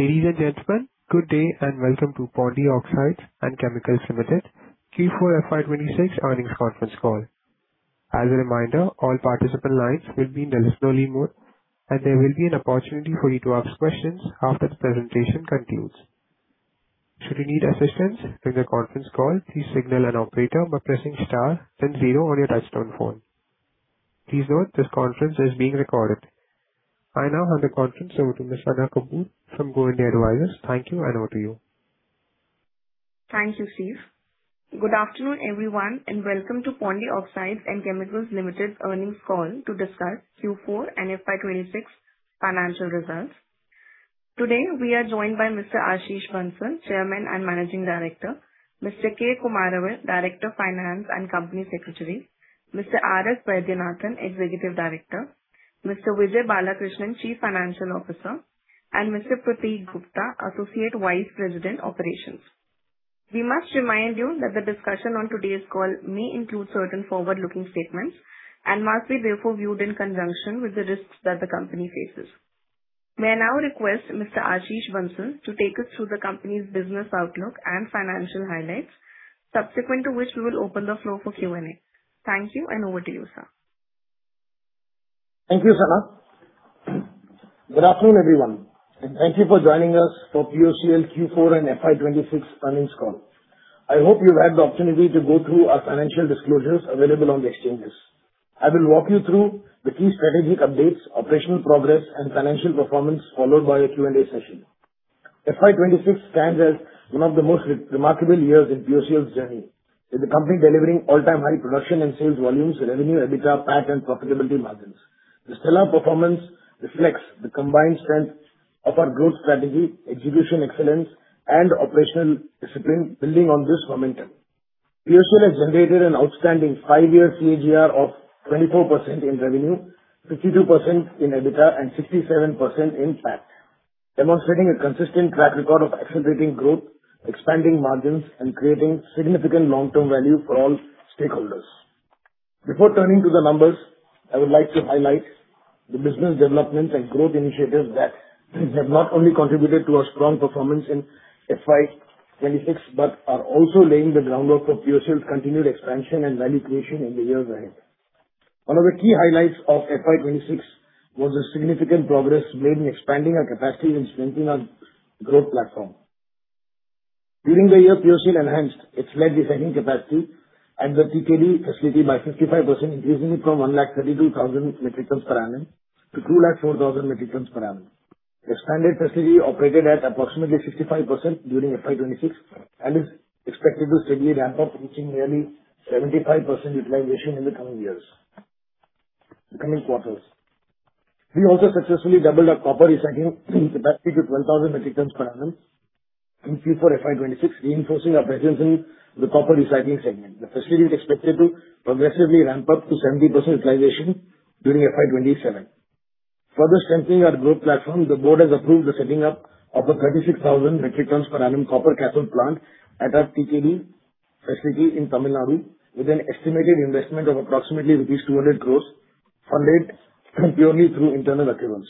Ladies and gentlemen, good day and welcome to Pondy Oxides and Chemicals Limited Q4 FY 2026 earnings conference call. I now hand the conference over to Ms. Sana Kapoor from Go India Advisors. Thank you, and over to you. Thank you, Steve. Good afternoon, everyone, and welcome to Pondy Oxides and Chemicals Limited's earnings call to discuss Q4 and FY 2026 financial results. Today, we are joined by Mr. Ashish Bansal, Chairman and Managing Director, Mr. K. Kumaravel, Director of Finance and Company Secretary, Mr. R.S. Vaidyanathan, Executive Director, Mr. Vijay Balakrishnan, Chief Financial Officer, and Mr. Prateek Gupta, Assistant Vice President, Operations. We must remind you that the discussion on today's call may include certain forward-looking statements and must be therefore viewed in conjunction with the risks that the company faces. May I now request Mr. Ashish Bansal to take us through the company's business outlook and financial highlights, subsequent to which we will open the floor for Q&A. Thank you, and over to you, sir. Thank you, Sana. Good afternoon, everyone, and thank you for joining us for POCL Q4 and FY 2026 earnings call. I hope you've had the opportunity to go through our financial disclosures available on the exchanges. I will walk you through the key strategic updates, operational progress, and financial performance, followed by a Q&A session. FY 2026 stands as one of the most remarkable years in POCL's journey, with the company delivering all-time high production and sales volumes, revenue, EBITDA, PAT, and profitability margins. This stellar performance reflects the combined strength of our growth strategy, execution excellence, and operational discipline building on this momentum. POCL has generated an outstanding five-year CAGR of 24% in revenue, 52% in EBITDA, and 67% in PAT, demonstrating a consistent track record of accelerating growth, expanding margins, and creating significant long-term value for all stakeholders. Before turning to the numbers, I would like to highlight the business developments and growth initiatives that have not only contributed to our strong performance in FY 2026, but are also laying the groundwork for POCL's continued expansion and value creation in the years ahead. One of the key highlights of FY 2026 was the significant progress made in expanding our capacity and strengthening our growth platform. During the year, POCL enhanced its lead recycling capacity at the TKE facility by 55%, increasing it from 132,000 metric tons per annum to 204,000 metric tons per annum. The expanded facility operated at approximately 65% during FY 2026 and is expected to steadily ramp up, reaching nearly 75% utilization in the coming quarters. We also successfully doubled our copper recycling capacity to 12,000 metric tons per annum in Q4 FY 2026, reinforcing our presence in the copper recycling segment. The facility is expected to progressively ramp up to 70% utilization during FY 2027. Further strengthening our growth platform, the board has approved the setting up of a 36,000 metric tons per annum copper cathode plant at our TKE facility in Tamil Nadu with an estimated investment of approximately rupees 200 crores, funded purely through internal accruals.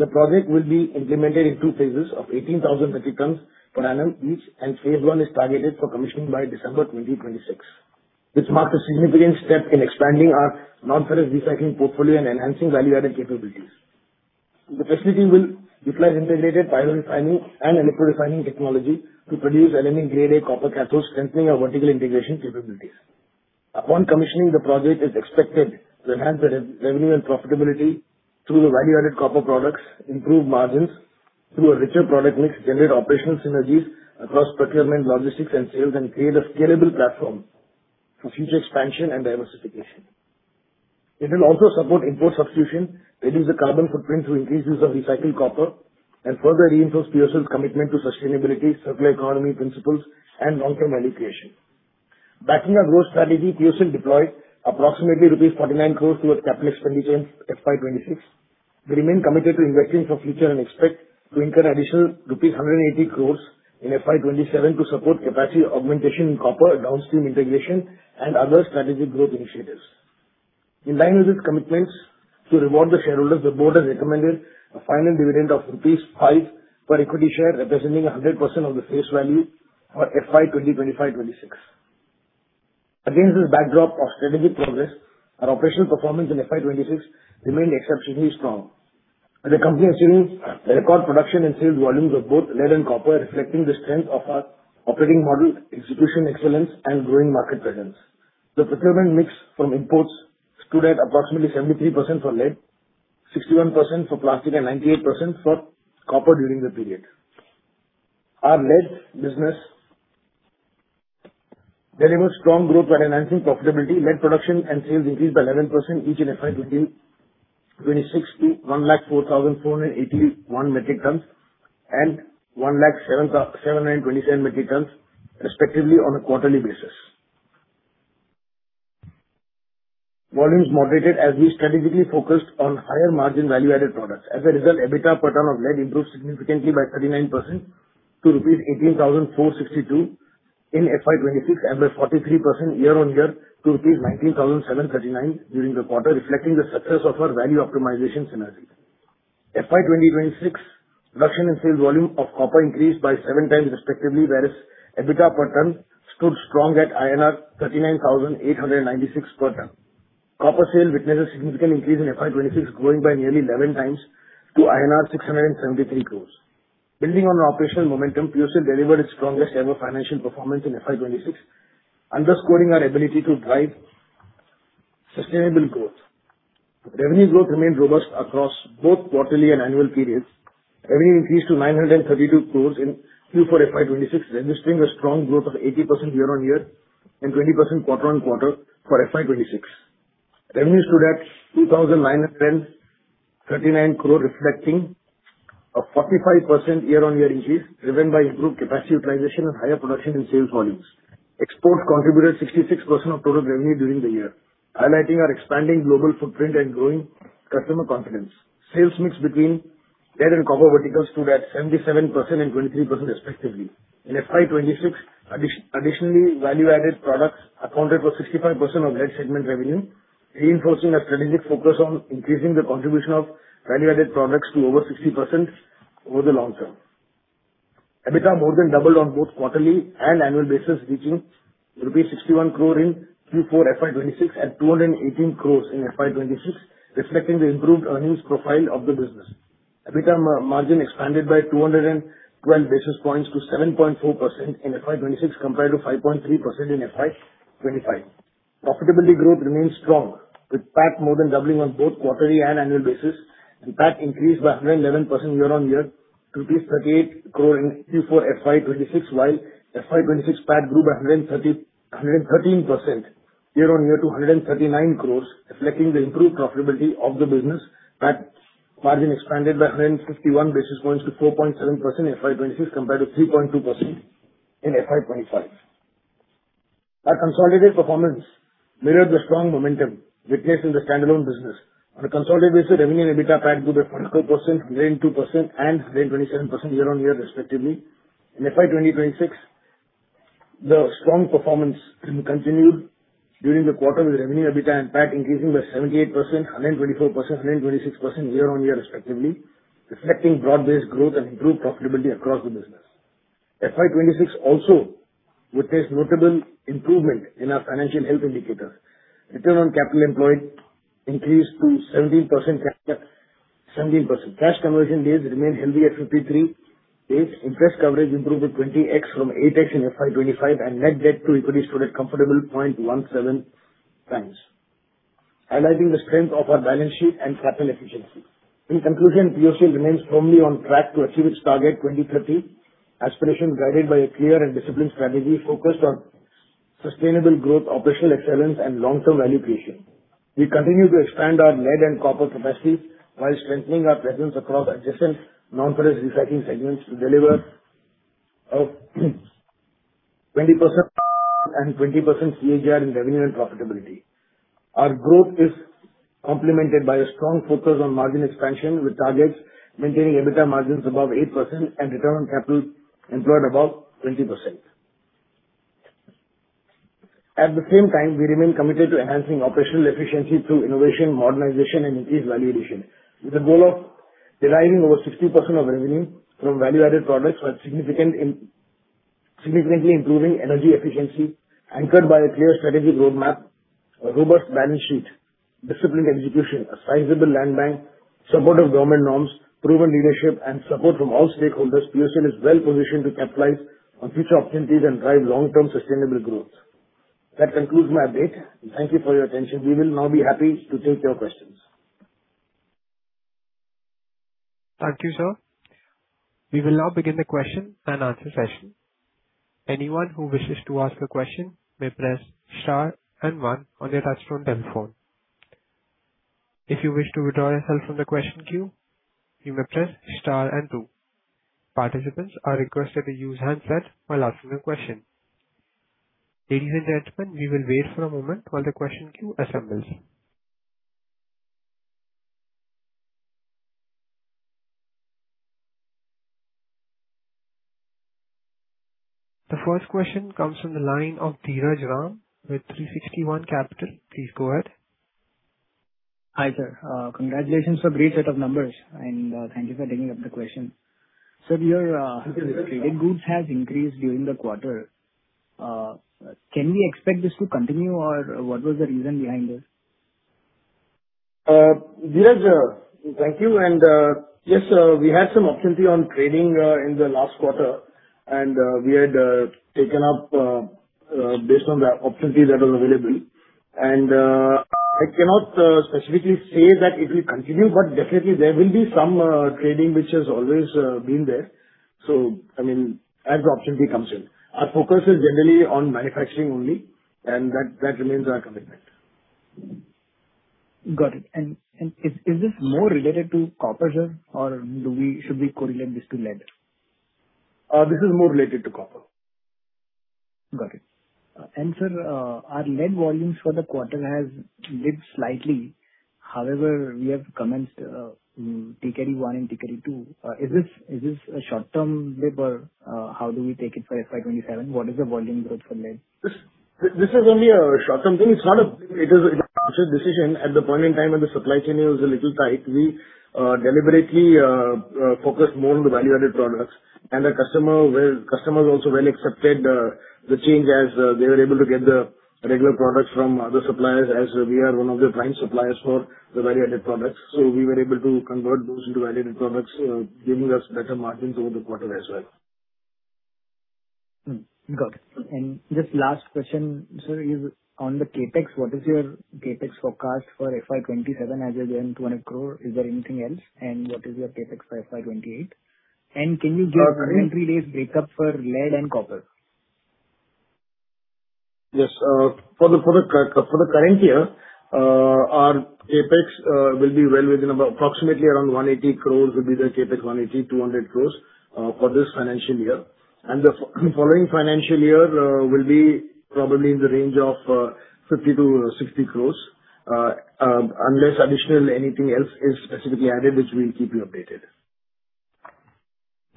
The project will be implemented in two phases of 18,000 metric tons per annum each, and phase I is targeted for commissioning by December 2026. This marks a significant step in expanding our non-ferrous recycling portfolio and enhancing value-added capabilities. The facility will deploy integrated pyrometallurgy and electrorefining technology to produce LME Grade A copper cathodes, strengthening our vertical integration capabilities. Upon commissioning, the project is expected to enhance the revenue and profitability through the value-added copper products, improve margins through a richer product mix, generate operational synergies across procurement, logistics, and sales, and create a scalable platform for future expansion and diversification. It will also support import substitution, reduce the carbon footprint through increases of recycled copper, and further reinforce POCL's commitment to sustainability, circular economy principles, and long-term value creation. Backing our growth strategy, POCL deployed approximately 49 crores rupees towards capital expenditure in FY 2026. We remain committed to investing for future and expect to incur additional rupees 180 crores in FY 2027 to support capacity augmentation in copper and downstream integration and other strategic growth initiatives. In line with its commitments to reward the shareholders, the board has recommended a final dividend of rupees 5 per equity share, representing 100% of the face value for FY 2025-2026. Against this backdrop of strategic progress, our operational performance in FY 2026 remained exceptionally strong, with the company assuming record production and sales volumes of both lead and copper, reflecting the strength of our operating model, execution excellence, and growing market presence. The procurement mix from imports stood at approximately 73% for lead, 61% for plastic, and 98% for copper during the period. Our lead business delivered strong growth by enhancing profitability. Lead production and sales increased by 11%, each in FY 2026 to 104,481 metric tons and 107,927 metric tons respectively on a quarterly basis. Volumes moderated as we strategically focused on higher margin value-added products. As a result, EBITDA per ton of lead improved significantly by 39% to rupees 18,462. In FY 2026, EBITDA 43% year-on-year to rupees 19,739 during the quarter, reflecting the success of our value optimization synergy. FY 2026, production and sales volume of copper increased by seven times respectively, whereas EBITDA per ton stood strong at INR 39,896 per ton. Copper sale witnessed a significant increase in FY 2026, growing by nearly 11 times to INR 673 crore. Building on the operational momentum, POC delivered its strongest ever financial performance in FY 2026, underscoring our ability to drive sustainable growth. Revenue growth remained robust across both quarterly and annual periods. Revenue increased to 932 crore in Q4 FY 2026, registering a strong growth of 80% year-on-year and 20% quarter-on-quarter for FY 2026. Revenue stood at 2,939 crore, reflecting a 45% year-on-year increase driven by improved capacity utilization and higher production and sales volumes. Exports contributed 66% of total revenue during the year, highlighting our expanding global footprint and growing customer confidence. Sales mix between lead and copper verticals stood at 77% and 23% respectively. In FY 2026, additionally, value-added products accounted for 65% of lead segment revenue, reinforcing a strategic focus on increasing the contribution of value-added products to over 60% over the long term. EBITDA more than doubled on both quarterly and annual basis, reaching rupees 61 crore in Q4 FY 2026 and 218 crore in FY 2026, reflecting the improved earnings profile of the business. EBITDA margin expanded by 212 basis points to 7.4% in FY 2026 compared to 5.3% in FY 2025. Profitability growth remains strong, with PAT more than doubling on both quarterly and annual basis. The PAT increased by 111% year-over-year to INR 38 crore in Q4 FY 2026, while FY 2026 PAT grew by 113% year-on-year to 139 crores, reflecting the improved profitability of the business. PAT margin expanded by 151 basis points to 4.7% in FY 2026 compared to 3.2% in FY 2025. Our consolidated performance mirrored the strong momentum witnessed in the standalone business. On a consolidated basis, revenue and EBITDA PAT grew by 24%, 102% and 127% year-over-year respectively. In FY 2026, the strong performance continued during the quarter with revenue, EBITDA, and PAT increasing by 78%, 124%, 126% year-over-year respectively, reflecting broad-based growth and improved profitability across the business. FY 2026 also witnessed notable improvement in our financial health indicators. Return on capital employed increased to 17%. Cash conversion days remain healthy at 53 days. Interest coverage improved to 20x from 8x in FY 2025, and net debt to equity stood at comfortable 0.17 times, highlighting the strength of our balance sheet and capital efficiency. In conclusion, POC remains firmly on track to achieve its Target 2030, aspiration guided by a clear and disciplined strategy focused on sustainable growth, operational excellence, and long-term value creation. We continue to expand our lead and copper capacity while strengthening our presence across adjacent non-ferrous recycling segments to deliver a 20% and 20% CAGR in revenue and profitability. Our growth is complemented by a strong focus on margin expansion, with targets maintaining EBITDA margins above 8% and return on capital employed above 20%. At the same time, we remain committed to enhancing operational efficiency through innovation, modernization, and increased value addition, with a goal of deriving over 60% of revenue from value-added products while significantly improving energy efficiency. Anchored by a clear strategic roadmap, a robust balance sheet, disciplined execution, a sizable land bank, support of government norms, proven leadership, and support from all stakeholders, POC is well-positioned to capitalize on future opportunities and drive long-term sustainable growth. That concludes my update. Thank you for your attention. We will now be happy to take your questions. Thank you, sir. We will now begin the question-and-answer session. Anyone who wishes to ask a question may press star and one on their touch-tone telephone. If you wish to withdraw yourself from the question queue, you may press star and two. Participants are requested to use handsets while asking a question. Ladies and gentlemen, we will wait for a moment while the question queue assembles. The first question comes from the line of Dheeraj Ram with 360 ONE Capital. Please go ahead. Hi, sir. Congratulations for great set of numbers, and thank you for taking up the question. Your traded goods has increased during the quarter. Can we expect this to continue, or what was the reason behind this? Dheeraj, thank you. Yes, we had some opportunity on trading in the last quarter, and we had taken up based on the opportunity that was available. I cannot specifically say that it will continue, but definitely there will be some trading which has always been there. I mean, as the opportunity comes in. Our focus is generally on manufacturing only, and that remains our commitment. Got it. Is this more related to copper, sir? Or should we correlate this to lead? This is more related to copper. Got it. sir, our lead volumes for the quarter has dipped slightly. However, we have commenced TKE 1 and TKE 2. Is this a short-term dip, or how do we take it for FY 2027? What is the volume growth for lead? This is only a short-term thing. It's not a decision. At the point in time when the supply chain was a little tight, we deliberately focused more on the value-added products. The customers also well accepted the change as they were able to get the regular products from other suppliers, as we are one of the prime suppliers for the value-added products. We were able to convert those into value-added products, giving us better margins over the quarter as well. Got it. Just last question, sir, is on the CapEx. What is your CapEx forecast for FY 2027 as you're doing 200 crore? Is there anything else? What is your CapEx for FY 2028? Can you give- Uh, current inventory days breakup for lead and copper? Yes. For the current year, our CapEx will be well within about approximately around 180 crores will be the CapEx, 180 crores-200 crores for this financial year. The following financial year will be probably in the range of 50 crores-60 crores, unless additional anything else is specifically added, which we'll keep you updated.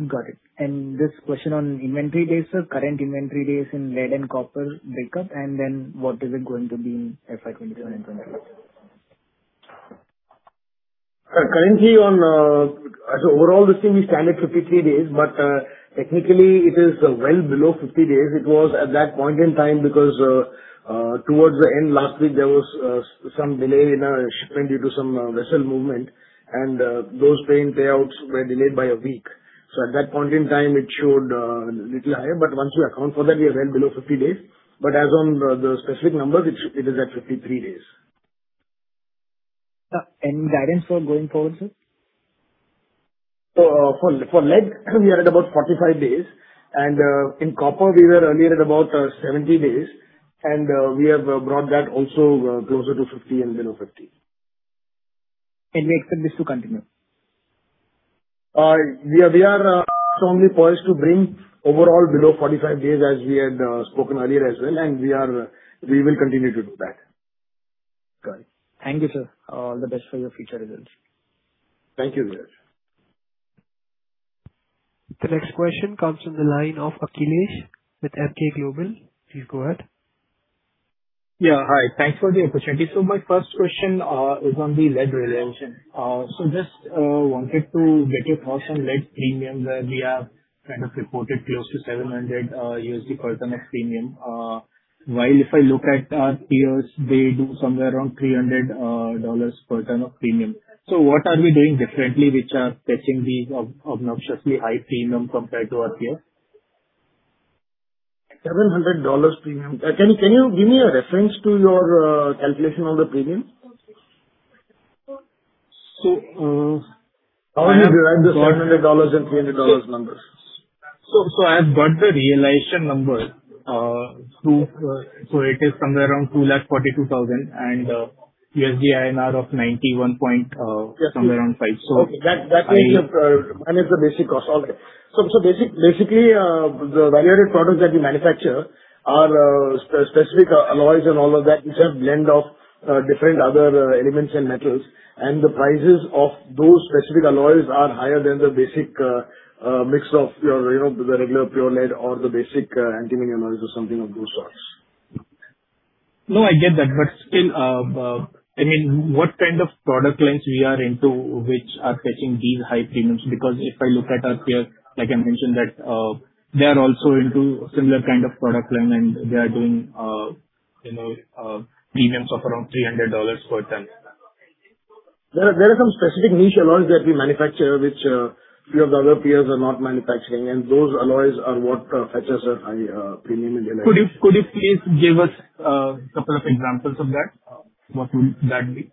Got it. Just a question on inventory days, sir. Current inventory days in lead and copper breakup, and then what is it going to be in FY 2027 and FY 2028? Currently, on overall this thing we stand at 53 days, technically it is well below 50 days. It was at that point in time because towards the end last week there was some delay in our shipment due to some vessel movement, and those paying payouts were delayed by a week. At that point in time, it showed a little higher, once you account for that, we are well below 50 days. As on the specific numbers, it is at 53 days. Guidance for going forward, sir? For lead, we are at about 45 days, and in copper we were earlier at about 70 days, and we have brought that also closer to 50 and below 50. We expect this to continue? We are strongly poised to bring overall below 45 days, as we had spoken earlier as well, and we will continue to do that. Got it. Thank you, sir. All the best for your future results. Thank you, Dheeraj. The next question comes from the line of Akhilesh with FK Global. Please go ahead. Yeah, hi. Thanks for the opportunity. My first question is on the lead realization. Just wanted to get your thoughts on lead premium, where we have kind of reported close to $700 per ton as premium. While if I look at our peers, they do somewhere around $300 per ton of premium. What are we doing differently which are fetching these obnoxiously high premium compared to our peers? $700 premium. Can you give me a reference to your calculation of the premium? So- How have you derived the $700 and $300 numbers? I've got the realization number. It is somewhere around 242,000 and INR of 91. Yes somewhere around five. Okay. That means the basic cost. All right. Basically, the value-added products that we manufacture are specific alloys and all of that, which have blend of different other elements and metals. The prices of those specific alloys are higher than the basic mix of the regular pure lead or the basic antimony alloys or something of those sorts. No, I get that. Still, what kind of product lines we are into which are fetching these high premiums? If I look at our peers, like I mentioned that they are also into similar kind of product line and they are doing premiums of around $300 per ton. There are some specific niche alloys that we manufacture, which few of the other peers are not manufacturing, and those alloys are what fetches a high premium in alloys. Could you please give us a couple of examples of that? What would that be?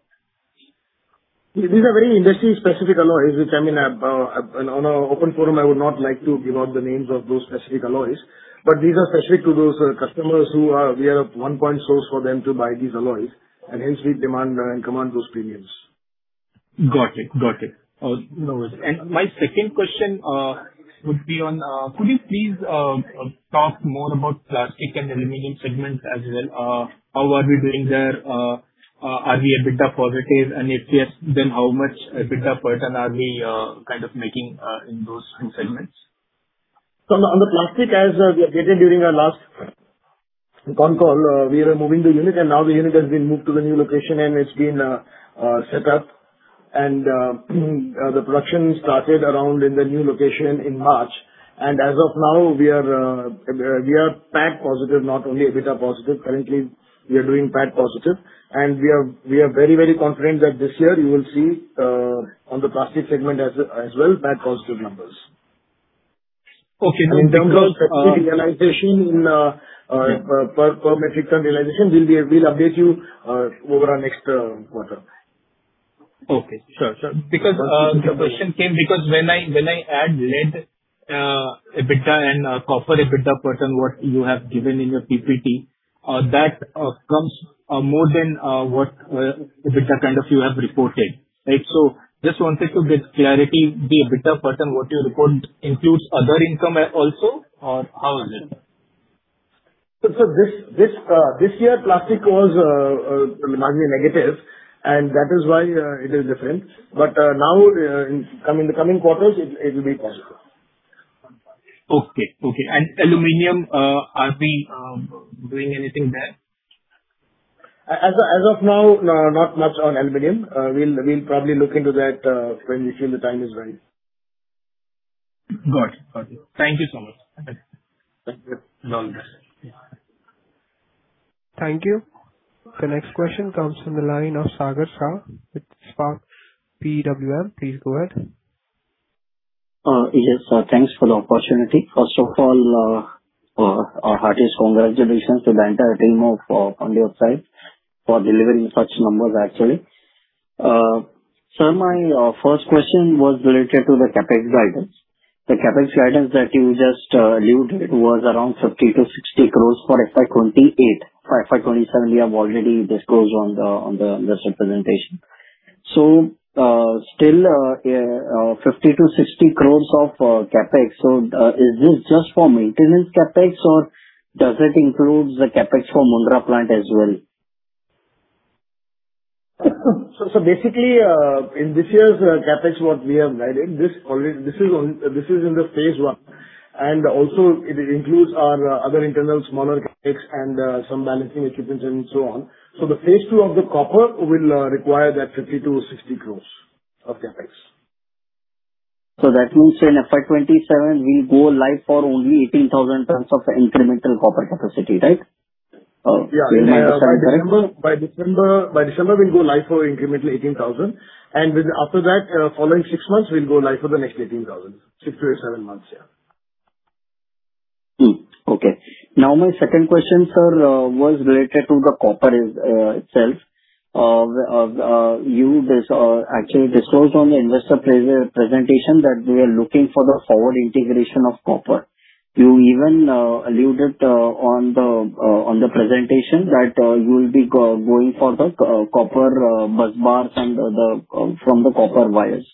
These are very industry-specific alloys, which, I mean, on an open forum I would not like to give out the names of those specific alloys. These are specific to those customers, we are a one-point source for them to buy these alloys, and hence we demand and command those premiums. Got it. No worries. My second question would be on, could you please talk more about plastic and aluminum segments as well? How are we doing there? Are we EBITDA positive? If yes, then how much EBITDA per ton are we kind of making in those two segments? On the plastic as we updated during our last con call, we are moving the unit and now the unit has been moved to the new location and it's been set up. The production started around in the new location in March. As of now, we are PAT positive, not only EBITDA positive. Currently, we are doing PAT positive. We are very, very confident that this year you will see, on the plastic segment as well, PAT positive numbers. Okay. In terms of specific realization per metric ton realization, we'll update you over our next quarter. Okay, sure. The question came because when I add lead EBITDA and copper EBITDA per ton, what you have given in your PPT, that comes more than what EBITDA you have reported. Just wanted to get clarity, the EBITDA per ton, what you report includes other income also, or how is it? This year plastic was marginally negative, and that is why it is different. Now in the coming quarters, it will be positive. Okay. Aluminum, are we doing anything there? As of now, not much on aluminum. We'll probably look into that when we feel the time is right. Got it. Thank you so much. Thank you. Thank you. The next question comes from the line of Sagar Shah with Spark PWM. Please go ahead. Yes. Thanks for the opportunity. First of all, our heartiest congratulations to the entire team of Pondy Oxides for delivering such numbers, actually. Sir, my first question was related to the CapEx guidance. The CapEx guidance that you just alluded was around 50-60 crores for FY 2028. FY 2027, we have already disclosed on the investor presentation. Still 50-60 crores of CapEx. Is this just for maintenance CapEx, or does it include the CapEx for Mundra plant as well? Basically, in this year's CapEx what we have guided, this is in the phase I, and also it includes our other internal smaller CapEx and some balancing equipments and so on. The phase II of the copper will require that 50 crores to 60 crores of CapEx. That means in FY 2027, we go live for only 18,000 tons of incremental copper capacity, right? Yeah. By December we'll go live for incremental 18,000. After that, following six months, we'll go live for the next 18,000. Six to seven months, yeah. Okay. Now my second question, sir, was related to the copper itself. You actually disclosed on the investor presentation that we are looking for the forward integration of copper. You even alluded on the presentation that you will be going for the copper busbars from the copper wires.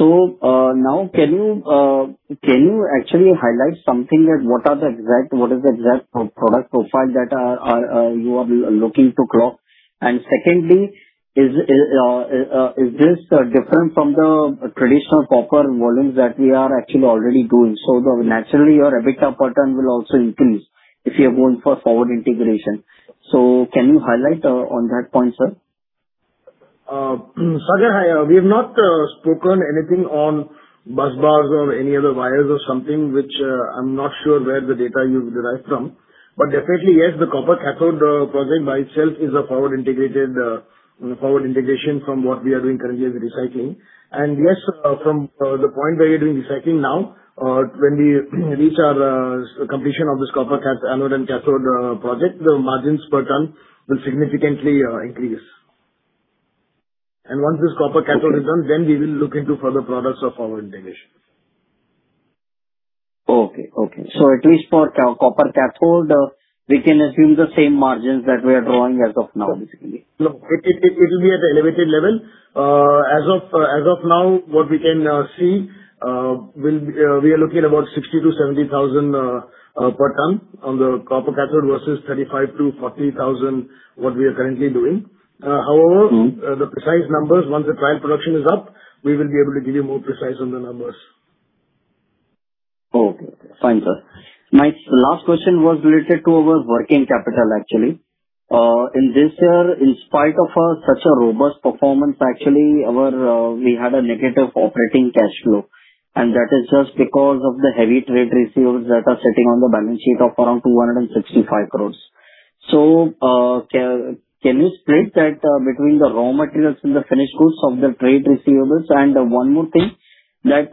Now can you actually highlight something that what is the exact product profile that you are looking to clock? And secondly, is this different from the traditional copper volumes that we are actually already doing? Naturally, your EBITDA pattern will also increase if you are going for forward integration. Can you highlight on that point, sir? Sagar, we have not spoken anything on busbars or any other wires or something, which I'm not sure where the data you derived from. Definitely, yes, the Copper Cathode project by itself is a forward integration from what we are doing currently as a recycling. Yes, from the point where you're doing recycling now, when we reach our completion of this copper anode and cathode project, the margins per ton will significantly increase. Once this Copper Cathode is done, we will look into further products of forward integration. Okay. At least for copper cathode, we can assume the same margins that we are drawing as of now, basically. No. It will be at an elevated level. As of now, what we can see, we are looking at about 60,000-70,000 per ton on the copper cathode versus 35,000-40,000 what we are currently doing. The precise numbers, once the plant production is up, we will be able to give you more precise on the numbers. Okay, fine, sir. My last question was related to our working capital, actually. In this year, in spite of such a robust performance actually, we had a negative operating cash flow, and that is just because of the heavy trade receivables that are sitting on the balance sheet of around 265 crores. Can you split that between the raw materials and the finished goods of the trade receivables? One more thing, that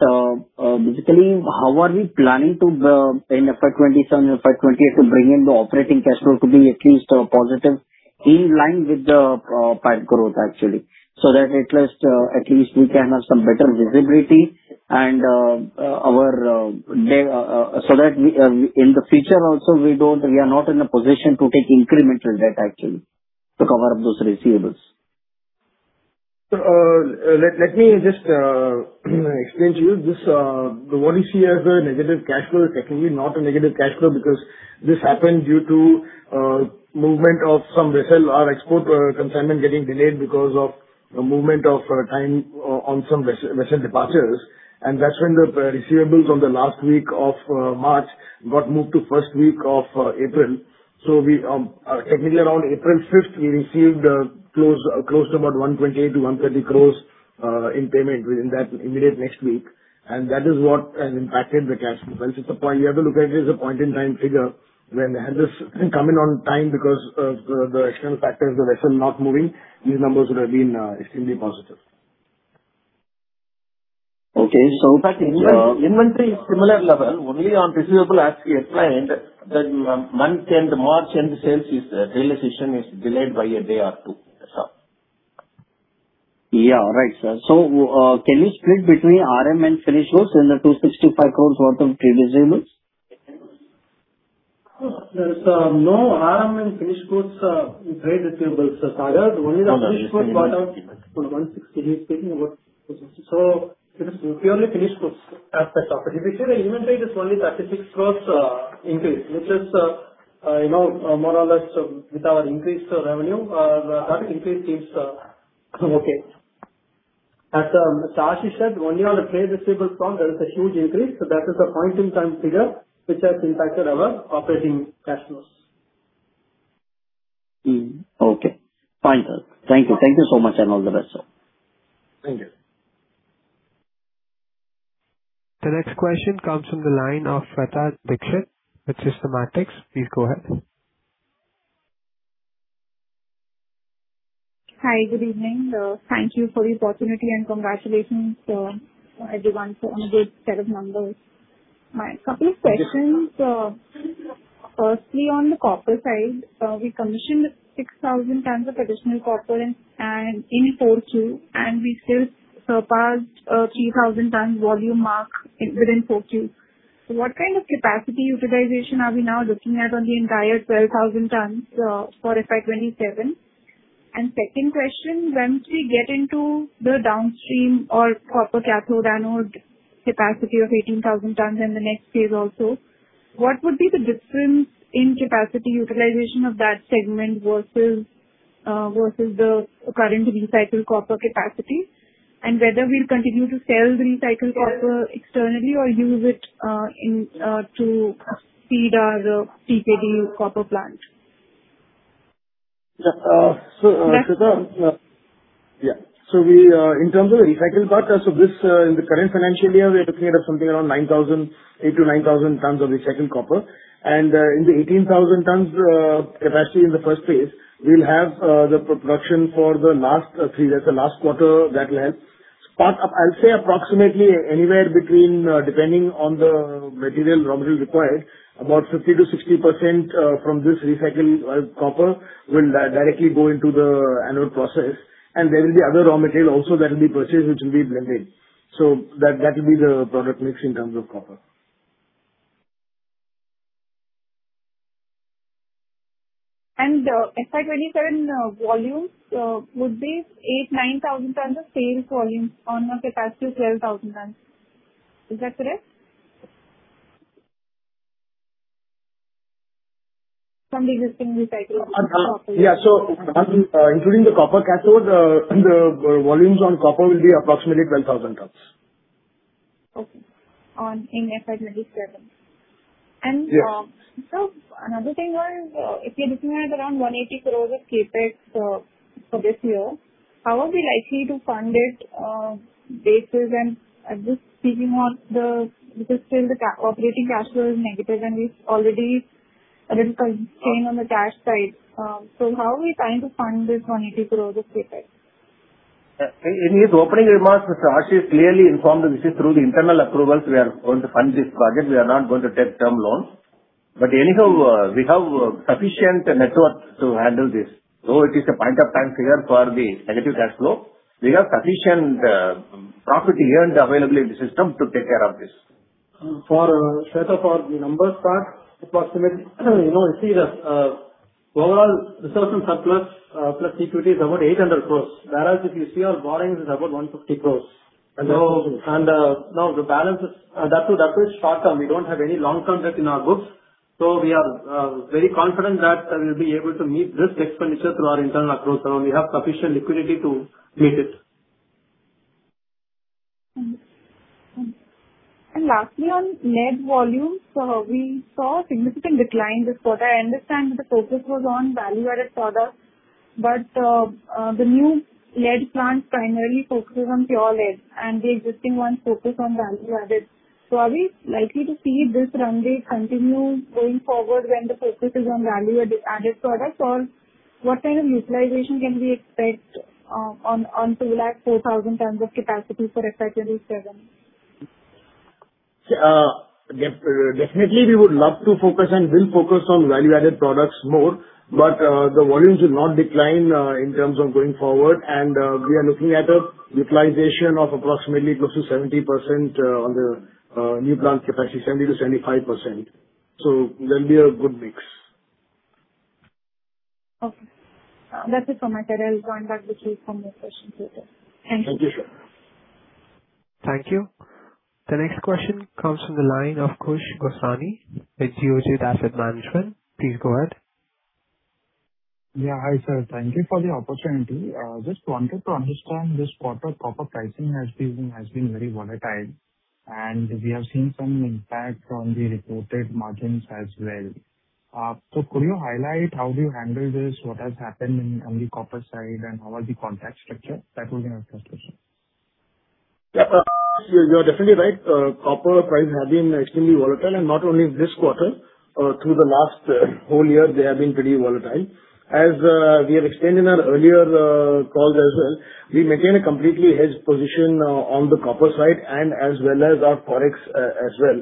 basically how are we planning to, in FY 2027 or FY 2028, to bring in the operating cash flow to be at least positive in line with the pipe growth, actually? That at least we can have some better visibility, so that in the future also we are not in a position to take incremental debt actually to cover up those receivables. Let me just explain to you. What you see as a negative cash flow is technically not a negative cash flow because this happened due to movement of some vessel or export consignment getting delayed because of the movement of time on some vessel departures. That's when the receivables on the last week of March got moved to first week of April. Technically around April 5th, we received close to about 120-130 crores in payment within that immediate next week. That is what has impacted the cash. You have to look at it as a point-in-time figure. When this comes in on time because of the external factors, the vessel not moving, these numbers would have been extremely positive. Okay. In fact, inventory is similar level. Only on receivable, as we explained, the month end March end sales realization is delayed by a day or two. That's all. Yeah, right, sir. Can you split between RM and finished goods in the 265 crores worth of trade receivables? There is no RM in finished goods trade receivables, sir. There is only the finished goods worth INR 160. It is purely finished goods aspect of it. If you see the inventory, it is only INR 36 crores increase, which is more or less with our increase of revenue, that increase seems okay. As Ashish said, only on the trade receivables front, there is a huge increase. That is a point in time figure which has impacted our operating cash flows. Okay, fine. Thank you. Thank you so much, and all the best, sir. Thank you. The next question comes from the line of Shweta Dikshit with Systematix. Please go ahead. Hi, good evening. Thank you for the opportunity and congratulations to everyone on a good set of numbers. My couple of questions. Firstly, on the copper side, we commissioned 6,000 tons of additional copper in 4Q. We still surpassed 3,000 tons volume mark within 4Q. What kind of capacity utilization are we now looking at on the entire 12,000 tons for FY 2027? Second question, once we get into the downstream or copper cathode anode capacity of 18,000 tons in the next phase also, what would be the difference in capacity utilization of that segment versus the current recycled copper capacity? Whether we'll continue to sell the recycled copper externally or use it to feed our TKE copper plant? In terms of recycled copper, this in the current financial year, we are looking at something around 8,000-9,000 tons of recycled copper. In the 18,000 tons capacity in the first phase, we'll have the production for the last quarter that will help. I'll say approximately anywhere between, depending on the material raw material required, about 50%-60% from this recycled copper will directly go into the anode process. There will be other raw material also that will be purchased, which will be blended. That will be the product mix in terms of copper. FY 2027 volumes would be 8,000-9,000 tons of sales volume on a capacity of 12,000 tons. Is that correct? From the existing recycled copper. Yeah. Including the copper cathode, the volumes on copper will be approximately 12,000 tons. Okay. In FY 2027. Yes. Sir, another thing was, if you're looking at around 180 crores of CapEx for this year, how are we likely to fund it basis and just speaking of the, because still the operating cash flow is negative and we've already a little constrained on the cash side. How are we trying to fund this INR 180 crores of CapEx? In his opening remarks, Mr. Ashish clearly informed this is through the internal accruals we are going to fund this project. We are not going to take term loans, anyhow, we have sufficient net worth to handle this. It is a point of time figure for the negative cash flow. We have sufficient profit earned available in the system to take care of this. For the numbers part, approximately, you see the overall reserves in surplus plus equity is about 800 crores. Whereas if you see our borrowings is about 150 crores. Now the balance is, that too is short-term. We don't have any long-term debt in our books, we are very confident that we'll be able to meet this expenditure through our internal accruals, and we have sufficient liquidity to meet it. Lastly, on lead volumes, we saw a significant decline this quarter. I understand that the focus was on value-added products, the new lead plant primarily focuses on pure lead and the existing ones focus on value-added. Are we likely to see this runway continue going forward when the focus is on value-added products? What kind of utilization can we expect on 204,000 tonnes of capacity for FY 2027? Definitely, we would love to focus and will focus on value-added products more, but the volumes will not decline in terms of going forward. We are looking at a utilization of approximately close to 70% on the new plant capacity, 70%-75%. There'll be a good mix. Okay. That's it from my side. I'll join back with you for more questions later. Thank you. Thank you. Thank you. The next question comes from the line of Khush Gosrani with Geojit Asset Management. Please go ahead. Hi, sir. Thank you for the opportunity. Just wanted to understand this quarter copper pricing has been very volatile, and we have seen some impact on the reported margins as well. Could you highlight how do you handle this, what has happened on the copper side, and how are the contract structure? That will be my first question. Yeah. You are definitely right. Copper price has been extremely volatile, and not only this quarter, through the last whole year they have been pretty volatile. As we have explained in our earlier calls as well, we maintain a completely hedged position on the copper side and as well as our forex as well.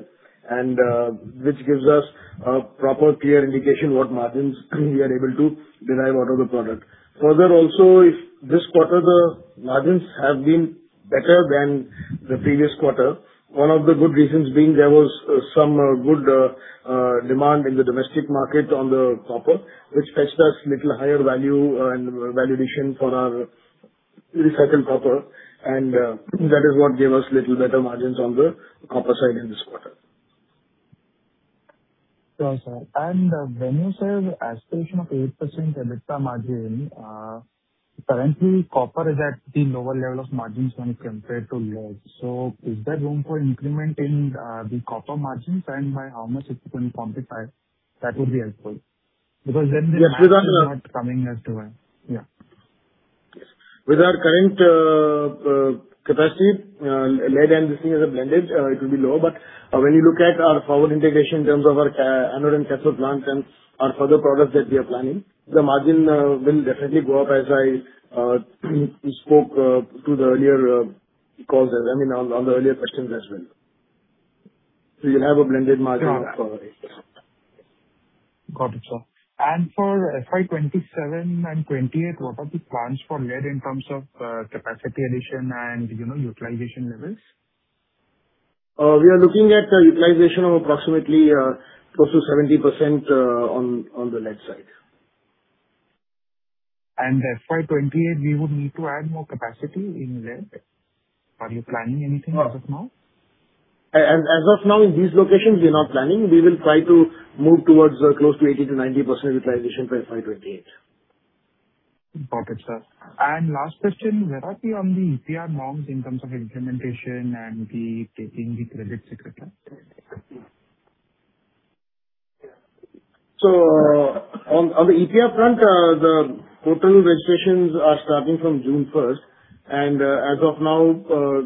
Which gives us a proper clear indication what margins we are able to derive out of the product. Further, also, if this quarter the margins have been better than the previous quarter, one of the good reasons being there was some good demand in the domestic market on the copper, which fetched us little higher value and valuation for our recycled copper and that is what gave us little better margins on the copper side in this quarter. Sure, sir. When you say the aspiration of 8% EBITDA margin, currently copper is at the lower level of margins when compared to lead. Is there room for increment in the copper margins and by how much it can contribute? That would be helpful. Yes. margins are not coming as to why. Yeah. With our current capacity, lead and this thing is blended, it will be low. When you look at our forward integration in terms of our anode and cathode plants and our further products that we are planning, the margin will definitely go up as I spoke to the earlier calls, I mean, on the earlier questions as well. You'll have a blended margin for 8%. Got it, sir. For FY 2027 and FY 2028, what are the plans for lead in terms of capacity addition and utilization levels? We are looking at a utilization of approximately close to 70% on the lead side. FY 2028, we would need to add more capacity in lead. Are you planning anything as of now? As of now, in these locations, we are not planning. We will try to move towards close to 80%-90% utilization by FY 2028. Got it, sir. Last question, where are we on the EPR norms in terms of implementation and the taking the credits, et cetera? On the EPR front, the total registrations are starting from June 1st. As of now,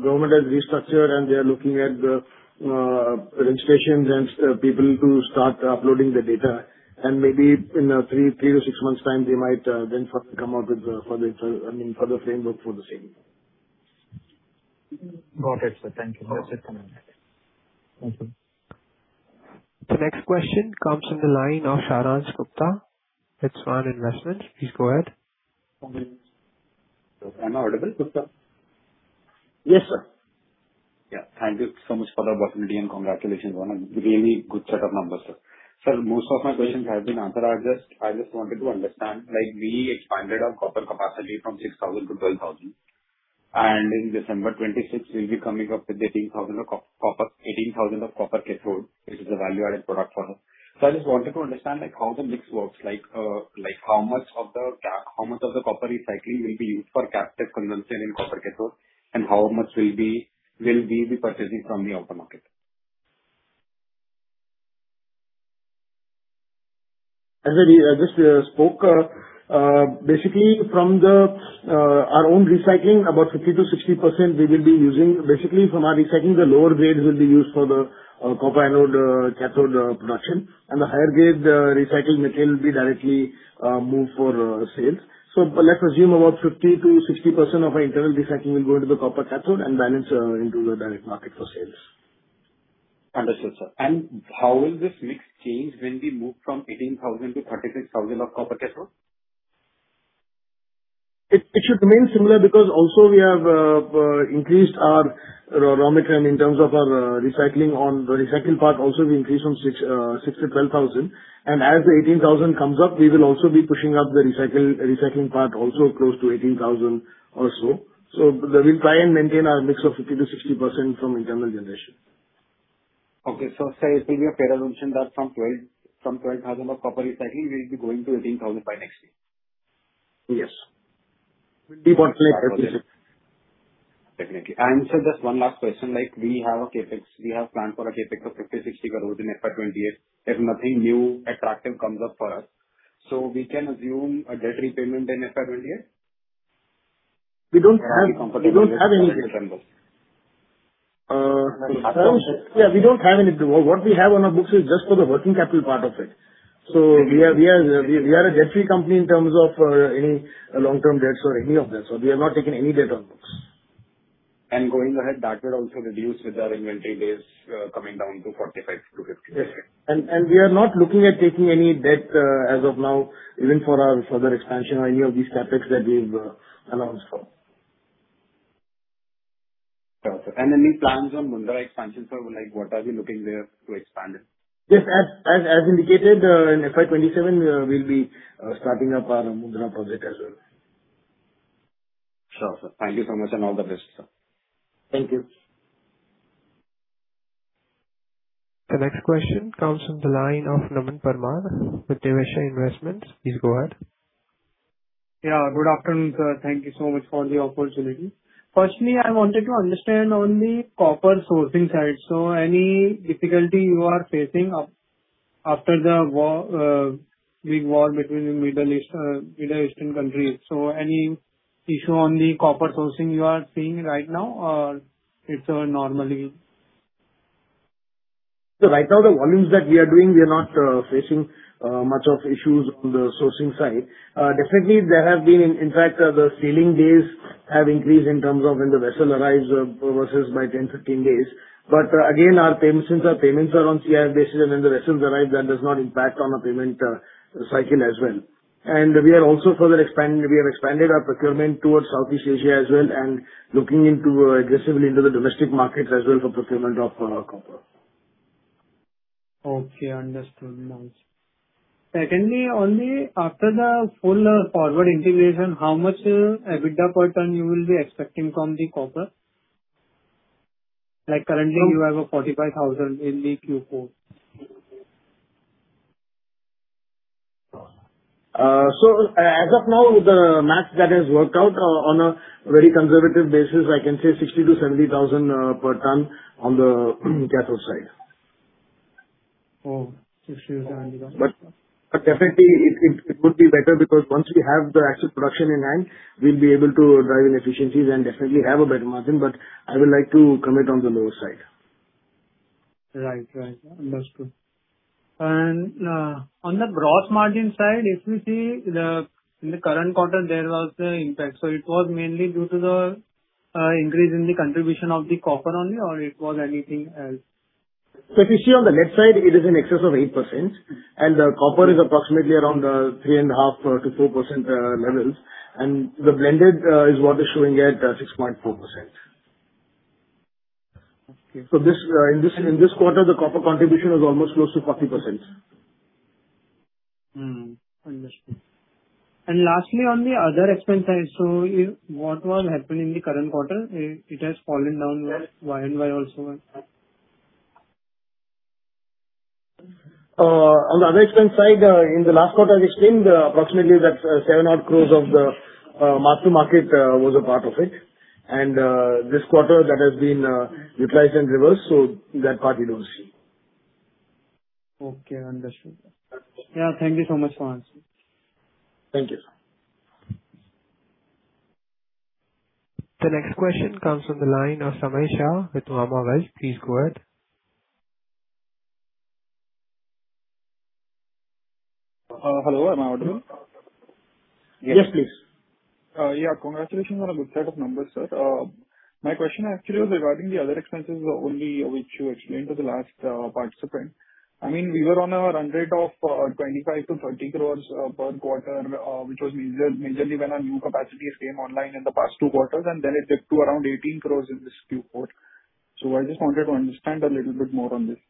government has restructured, and they are looking at the registrations and people to start uploading the data. Maybe in three to six months' time, they might then further come out with further framework for the same. Got it, sir. Thank you. That's it from my end. Thank you. The next question comes from the line of Saransh Gupta with Svan Investments. Please go ahead. Am I audible, ir? Yes, sir. Yeah. Thank you so much for the opportunity and congratulations on a really good set of numbers, sir. Sir, most of my questions have been answered. I just wanted to understand, we expanded our copper capacity from 6,000 to 12,000, and in December 2026, we'll be coming up with 18,000 of copper cathode, which is a value-added product for us. I just wanted to understand how the mix works. How much of the copper recycling will be used for captive consumption in copper cathode and how much will we be purchasing from the open market? As I just spoke, basically from our own recycling, about 50%-60% we will be using. Basically from our recycling, the lower grades will be used for the copper anode, copper cathode production. The higher grade recycled material will be directly moved for sales. Let's assume about 50%-60% of our internal recycling will go into the copper cathode and balance into the direct market for sales. Understood, sir. How will this mix change when we move from 18,000 to 36,000 of copper cathode? It should remain similar because also we have increased our raw material in terms of our recycling. On the recycling part also, we increased from 6,000 to 12,000. As the 18,000 comes up, we will also be pushing up the recycling part also close to 18,000 or so. We'll try and maintain our mix of 50%-60% from internal generation. Okay. sir, it will be a fair assumption that from 12,000 of copper recycling, we'll be going to 18,000 by next year. Yes. 24-56. Definitely. Sir, just one last question. We have planned for a CapEx of 50 crores-60 crores in FY 2028 if nothing new attractive comes up for us. We can assume a debt repayment in FY 2028? We don't have any debt on books. Yeah, we don't have any. What we have on our books is just for the working capital part of it. We are a debt-free company in terms of any long-term debts or any of that. We have not taken any debt on books. Going ahead, that will also reduce with our inventory days coming down to 45-50. Yes. We are not looking at taking any debt as of now, even for our further expansion or any of these CapEx that we've announced for. Sure, sir. Any plans on Mundra expansion, sir? What are you looking there to expand it? Yes. As indicated, in FY 2027, we'll be starting up our Mundra project as well. Sure, sir. Thank you so much, and all the best, sir. Thank you. The next question comes from the line of Naman Parmar with Niveshaay Investment. Please go ahead. Yeah, good afternoon, sir. Thank you so much for the opportunity. Firstly, I wanted to understand on the copper sourcing side. Any difficulty you are facing after the big war between the Middle Eastern countries? Any issue on the copper sourcing you are seeing right now or is it normally? Right now the volumes that we are doing, we are not facing much of issues on the sourcing side. Definitely there have been, in fact, the sailing days have increased in terms of when the vessel arrives versus by 10-15 days. Again, our payments are on CIF basis, and when the vessels arrive, that does not impact on our payment cycle as well. We are also further expanding. We have expanded our procurement towards Southeast Asia as well, and looking aggressively into the domestic markets as well for procurement of copper. Okay, understood. Secondly, only after the full forward integration, how much EBITDA per ton you will be expecting from the copper? Like currently you have 45,000 in the Q4. As of now, with the math that has worked out on a very conservative basis, I can say 60,000-70,000 per ton on the cathode side. Oh, INR 60,000-INR 70,000. Definitely it would be better because once we have the actual production in hand, we'll be able to drive in efficiencies and definitely have a better margin. I would like to commit on the lower side. Right. Understood. On the gross margin side, if you see in the current quarter, there was the impact. It was mainly due to the increase in the contribution of the copper only or it was anything else? If you see on the lead side, it is in excess of 8%. The copper is approximately around 3.5%-4% levels. The blended is what is showing at 6.4%. Okay. In this quarter, the copper contribution was almost close to 40%. Mm-hmm. Understood. Lastly, on the other expense side. What was happening in the current quarter, it has fallen down year-over-year and Y1 also. On the other expense side, in the last quarter it showed approximately that 700 crores of the mark to market was a part of it. This quarter that has been utilized and reversed, so that part you don't see. Okay, understood. Thank you so much for answering. Thank you. The next question comes from the line of Samay Shah with. Please go ahead. Hello, am I audible? Yes, please. Yeah. Congratulations on a good set of numbers, sir. My question actually was regarding the other expenses only which you explained to the last participant. We were on a run rate of 25 crore-30 crore per quarter, which was majorly when our new capacities came online in the past two quarters, and then it dipped to around 18 crore in this Q4. I just wanted to understand a little bit more on this.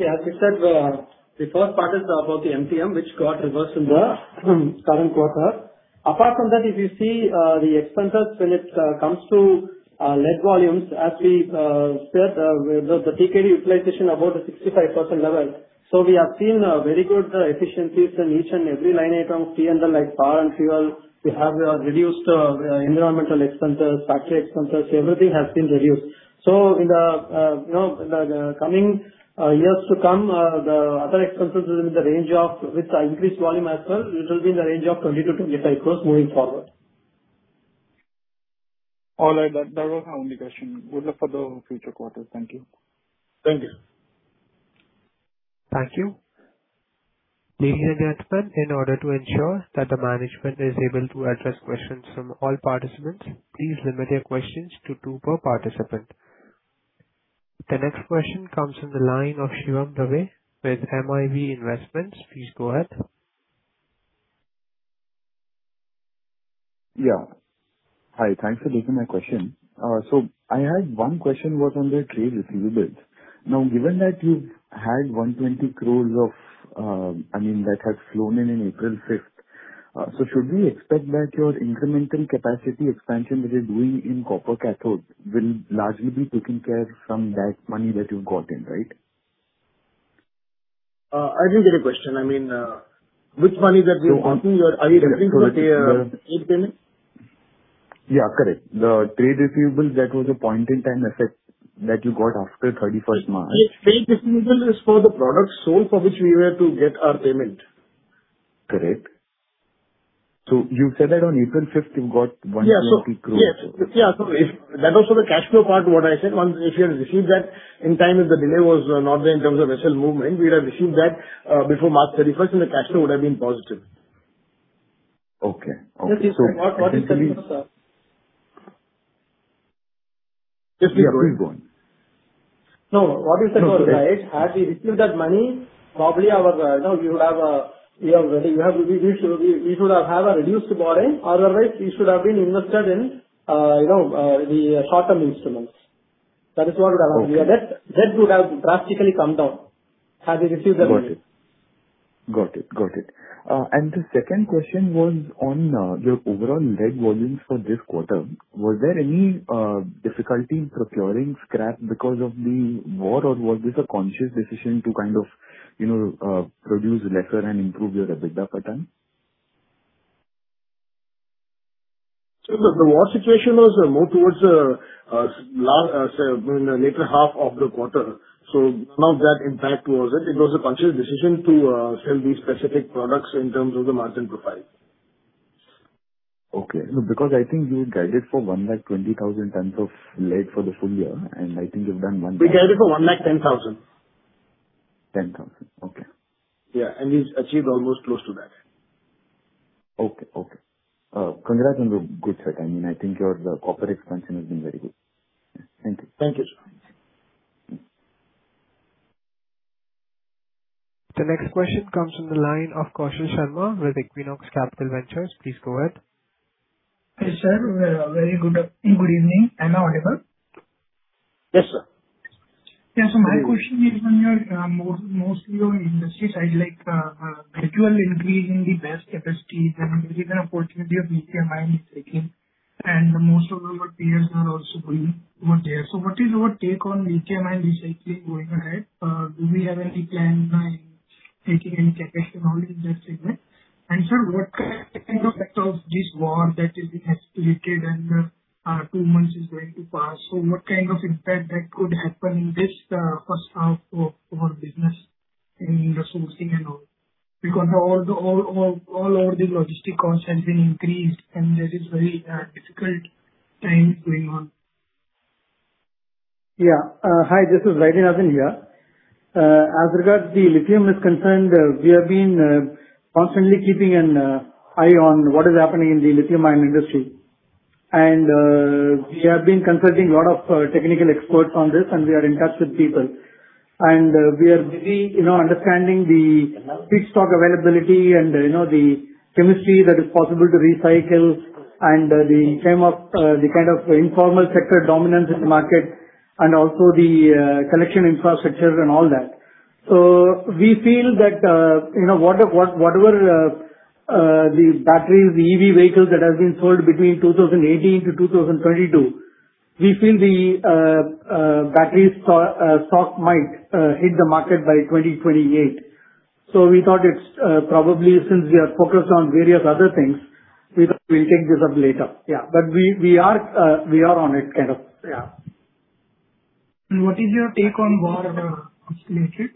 As we said, the first part is about the MTM, which got reversed in the current quarter. Apart from that, if you see the expenses when it comes to lead volumes, as we said, the TKE utilization above the 65% level. We have seen very good efficiencies in each and every line item, TNL like power and fuel. We have reduced environmental expenses, factory expenses. Everything has been reduced. In the coming years to come, the other expenses within the range of, with increased volume as well, it will be in the range of 20 crores-25 crores moving forward. All right. That was my only question. Good luck for the future quarters. Thank you. Thank you. Thank you. Ladies and gentlemen, in order to ensure that the management is able to address questions from all participants, please limit your questions to two per participant. The next question comes from the line of Shivam Dave with MIV Investments. Please go ahead. Yeah. Hi. Thanks for taking my question. I had one question was on the trade receivables. Now, given that you've had 120 crores that has flown in on April 5th. Should we expect that your incremental capacity expansion that you're doing in copper cathode will largely be taken care of from that money that you've gotten, right? I didn't get your question. Which money that we have gotten? Are you referring to the trade payment? Yeah, correct. The trade receivable that was a point-in-time effect that you got after 31st March. Trade receivable is for the product sold for which we were to get our payment. Correct. You said that on April 5th you've got 120 crores. That was for the cash flow part. What I said, if we had received that in time, if the delay was not there in terms of vessel movement, we would have received that before March 31st and the cash flow would have been positive. Okay. What he said was. Yes, please go on. No, what you said was right. Had we received that money, probably we should have a reduced borrowing. Otherwise, we should have been invested in the short-term instruments. That is what would have happened. Our debt would have drastically come down had we received the money. Got it. The second question was on your overall lead volumes for this quarter. Was there any difficulty in procuring scrap because of the war, or was this a conscious decision to produce lesser and improve your EBITDA per ton? The war situation was more towards the latter half of the quarter. None of that impact was it. It was a conscious decision to sell these specific products in terms of the margin profile. Okay. No, because I think you guided for 120,000 tons of lead for the full year, and I think you've done. We guided for 110,000. 10,000. Okay. Yeah. We've achieved almost close to that. Okay. Congratulations on the good set. I think your corporate expansion has been very good. Thank you. Thank you, sir. The next question comes from the line of Kaushal Sharma with Equinox Capital Ventures. Please go ahead. Hi, sir. Very good evening. Am I audible? Yes, sir. Yes. My question is on your most of your industries, I'd like gradual increase in the capacity, given the opportunity of lithium ion is taking, and most of your peers are also going over there. What is your take on lithium ion recycling going ahead? Do we have any plan on taking any capacity only in that segment? Sir, what kind of effect of this war that has escalated and two months is going to pass, so what kind of impact that could happen in this first half of our business in resourcing and all? All over the logistic costs has been increased, and there is very difficult times going on. Yeah. Hi, this is Vaidyanathan here. As regards the lithium is concerned, we have been constantly keeping an eye on what is happening in the lithium ion industry. We have been consulting a lot of technical experts on this, and we are in touch with people. We are busy understanding the feedstock availability and the chemistry that is possible to recycle and the kind of informal sector dominance in the market, and also the collection infrastructure and all that. We feel that whatever the batteries, the EV vehicles that have been sold between 2018 to 2022, we feel the battery stock might hit the market by 2028. We thought, probably, since we are focused on various other things, we thought we'll take this up later. We are on it, kind of. Yeah. What is your take on war escalating?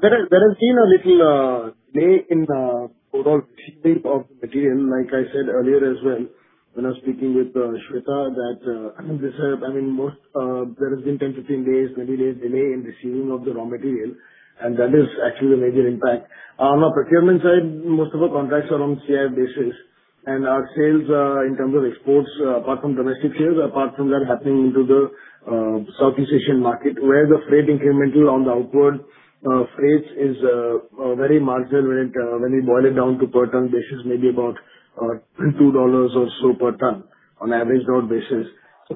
There has been a little delay in the overall receiving of material, like I said earlier as well when I was speaking with Shweta. There has been 10, 15 days, 20 days delay in receiving of the raw material. That is actually a major impact. On our procurement side, most of our contracts are on CIF basis. Our sales in terms of exports, apart from domestic sales, apart from that happening into the Southeast Asian market, where the freight incremental on the outward freights is very marginal when you boil it down to per ton basis, maybe about $2 or so per ton on average ton basis.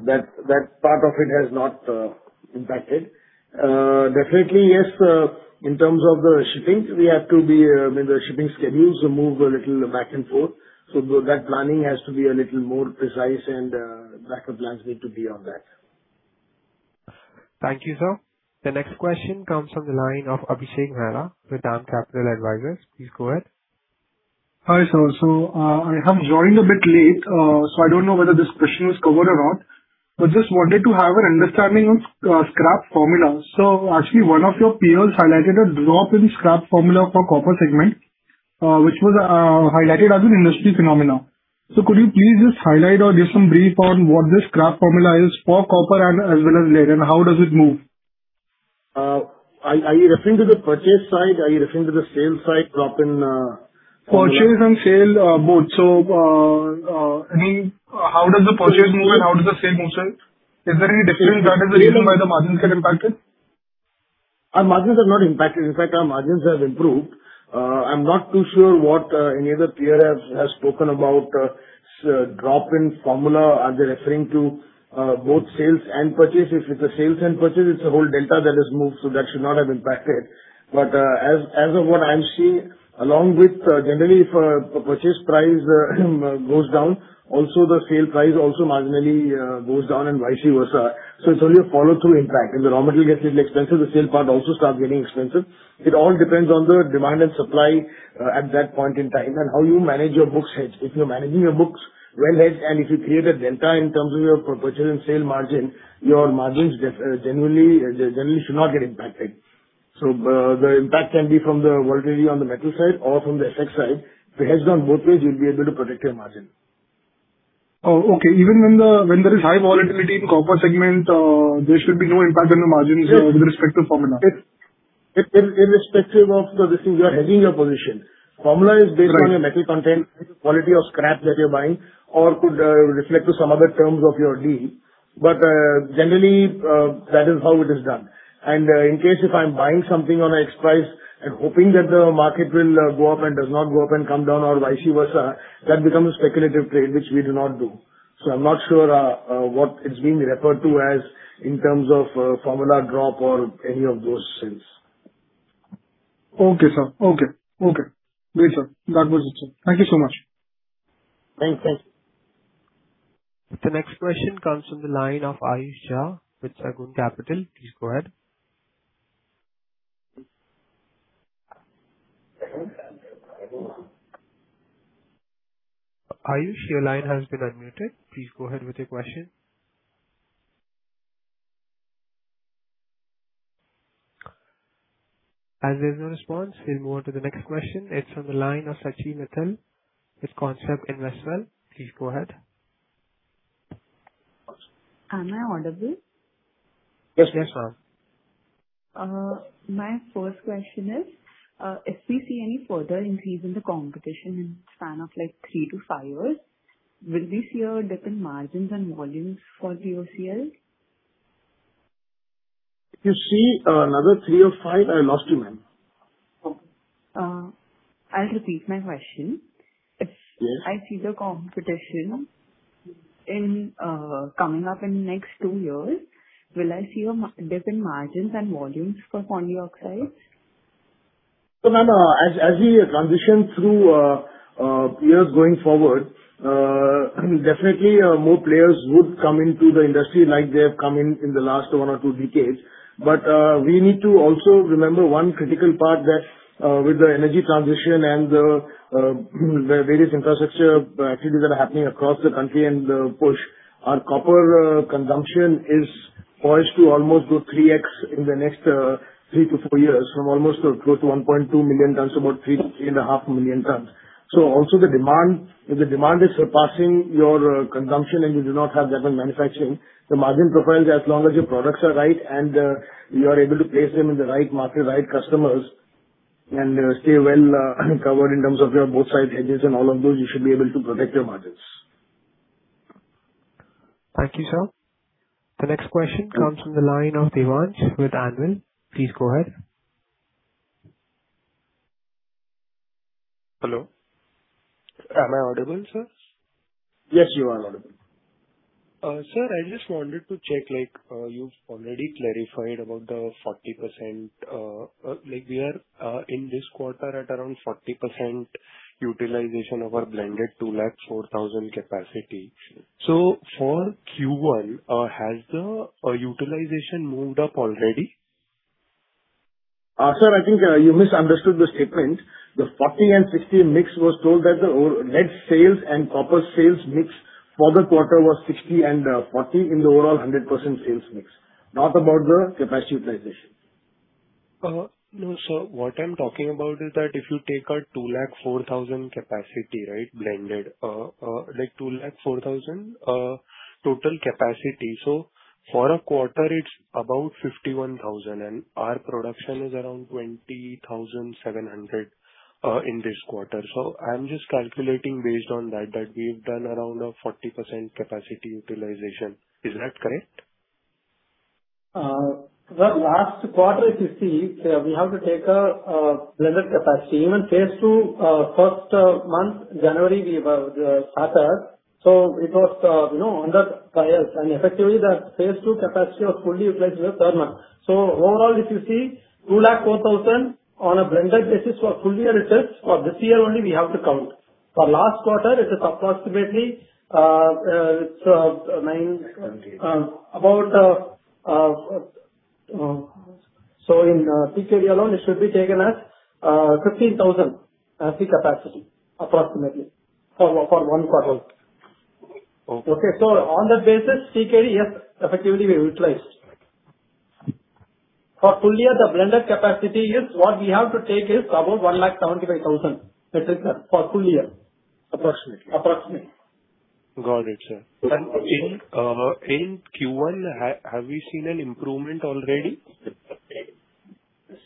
That part of it has not impacted. Definitely yes, in terms of the shipping, the shipping schedules move a little back and forth, so that planning has to be a little more precise and backup plans need to be on that. Thank you, sir. The next question comes from the line of Abhishek Mehra with DAM Capital Advisors. Please go ahead. Hi, sir. I have joined a bit late, so I don't know whether this question was covered or not. Just wanted to have an understanding of scrap formula. Actually, one of your peers highlighted a drop in scrap formula for copper segment, which was highlighted as an industry phenomenon. Could you please just highlight or give some brief on what this scrap formula is for copper as well as lead, and how does it move? Are you referring to the purchase side? Are you referring to the sale side drop in formula? Purchase and sale both. I mean, how does the purchase move and how does the sale move, sir? Is there any different reason why the margins get impacted? Our margins are not impacted. In fact, our margins have improved. I'm not too sure what any other peer has spoken about drop in formula. Are they referring to both sales and purchase? If it's a sales and purchase, it's a whole delta that has moved, so that should not have impacted. As of what I'm seeing, generally, if purchase price goes down, also the sale price also marginally goes down and vice versa. It's only a follow-through impact. If the raw material gets little expensive, the sale part also starts getting expensive. It all depends on the demand and supply at that point in time, and how you manage your books hedged. If you're managing your books well hedged, and if you create a delta in terms of your purchase and sale margin, your margins generally should not get impacted. The impact can be from the volatility on the metal side or from the FX side. If it hedges down both ways, you'll be able to protect your margin. Oh, okay. Even when there is high volatility in copper segment, there should be no impact on the margins with respect to formula. Irrespective of the hedging, you are hedging your position. Formula is based on your metal content, quality of scrap that you're buying, or could reflect to some other terms of your deal. Generally, that is how it is done. In case if I'm buying something on a X price and hoping that the market will go up and does not go up and come down or vice versa, that becomes a speculative trade, which we do not do. I'm not sure what is being referred to as in terms of formula drop or any of those sales. Okay, sir. Okay. Great, sir. That was it, sir. Thank you so much. Thank you. The next question comes from the line of Ayush Jha with Sagun Capital. Please go ahead. Ayush, your line has been unmuted. Please go ahead with your question. There's no response. We'll move on to the next question. It's from the line of Sachin Mittal with CONCEPT Investwell. Please go ahead. Am I audible? Yes. My first question is, if we see any further increase in the competition in span of three to five years, will we see a different margins and volumes for POCL? You see another three or five? I lost you, ma'am. Okay. I'll repeat my question. Yes. If I see the competition coming up in next two years, will I see different margins and volumes for Pondy Oxides? Ma'am, as we transition through years going forward, definitely more players would come into the industry like they have come in the last one or two decades. We need to also remember one critical part that with the energy transition and the various infrastructure activities that are happening across the country and the push on copper consumption is poised to almost go 3x in the next three to four years from almost close to 1.2 million tons, to about 3.5 million tons. Also if the demand is surpassing your consumption and you do not have that in manufacturing, the margin profiles, as long as your products are right and you are able to place them in the right market, right customers and stay well covered in terms of your both sides, hedges and all of those, you should be able to protect your margins. Thank you, sir. The next question comes from the line of Devansh with Edelweiss. Please go ahead. Hello, am I audible, sir? Yes, you are audible. Sir, I just wanted to check, you've already clarified about the 40%. We are in this quarter at around 40% utilization of our blended 204,000 capacity. For Q1, has the utilization moved up already? Sir, I think you misunderstood the statement. The 40 and 60 mix was told that the net sales and copper sales mix for the quarter was 60 and 40 in the overall 100% sales mix, not about the capacity utilization. No, sir. What I'm talking about is that if you take a 2 lakh 4,000 capacity, blended, like 2 lakh 4,000 total capacity. For a quarter it's about 51,000 and our production is around 20,700 in this quarter. I'm just calculating based on that we've done around a 40% capacity utilization. Is that correct? Well, last quarter if you see, we have to take a blended capacity. Even phase II, first month, January we have started. It was under trials and effectively that phase II capacity was fully utilized this term. Overall if you see 204,000 on a blended basis for full year it is. For this year only we have to count. For last quarter it is approximately nine. In TKE alone it should be taken as 15,000 as the capacity approximately for one quarter. Okay. On that basis, TKE, yes, effectively we utilized. For full year, the blended capacity is what we have to take is about 175,000 metric ton for full year. Approximately. Approximately. Got it, sir. In Q1, have we seen an improvement already?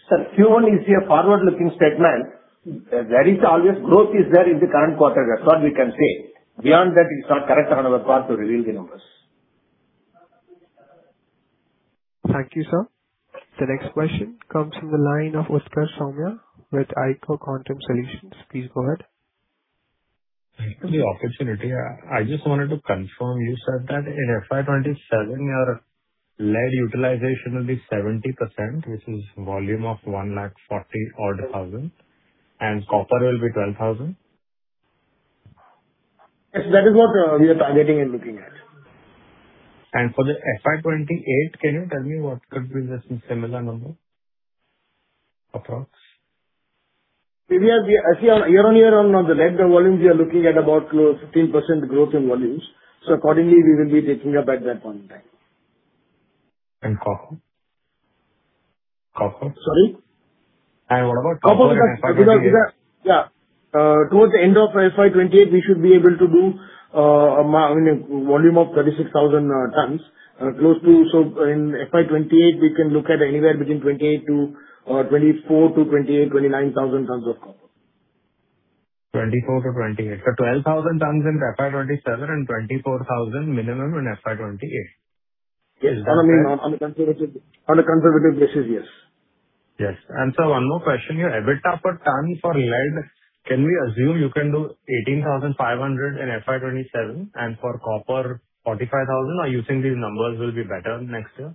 Sir, Q1 is a forward-looking statement. There is always growth is there in the current quarter. That's what we can say. Beyond that, it's not correct on our part to reveal the numbers. Thank you, sir. The next question comes from the line of Utkarsh Somaiya with I-Quantum Solutions. Please go ahead. Thank you for the opportunity. I just wanted to confirm, you said that in FY 2027, your lead utilization will be 70%, which is volume of 140,000, and copper will be 12,000? Yes. That is what we are targeting and looking at. For the FY 2028, can you tell me what could be the similar number approx? Year-over-year on the lead volumes, we are looking at about close to 15% growth in volumes. Accordingly we will be taking up at that point in time. Copper? Copper. Sorry. What about copper? Towards the end of FY 2028, we should be able to do a volume of 36,000 tons. In FY 2028 we can look at anywhere between 24,000-29,000 tons of copper. 2024 to 2028. 12,000 tons in FY 2027 and 24,000 minimum in FY 2028. Is that correct? Yes. On a conservative basis, yes. Yes. sir, one more question. Your EBITDA per ton for lead, can we assume you can do 18,500 in FY 2027 and for copper 45,000, or using these numbers will be better next year?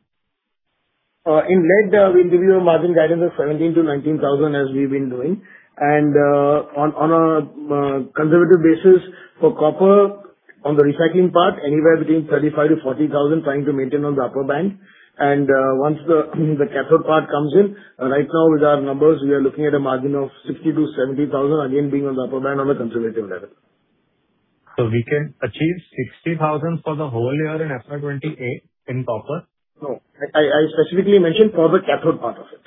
In lead, we give you a margin guidance of 17,000-19,000 as we've been doing. On a conservative basis for copper on the recycling part, anywhere between 35,000-40,000, trying to maintain on the upper bank. Once the cathode part comes in. Right now with our numbers, we are looking at a margin of 60,000-70,000 again being on the upper bank on a conservative level. We can achieve 60,000 for the whole year in FY 2028 in copper? No. I specifically mentioned for the cathode part of it.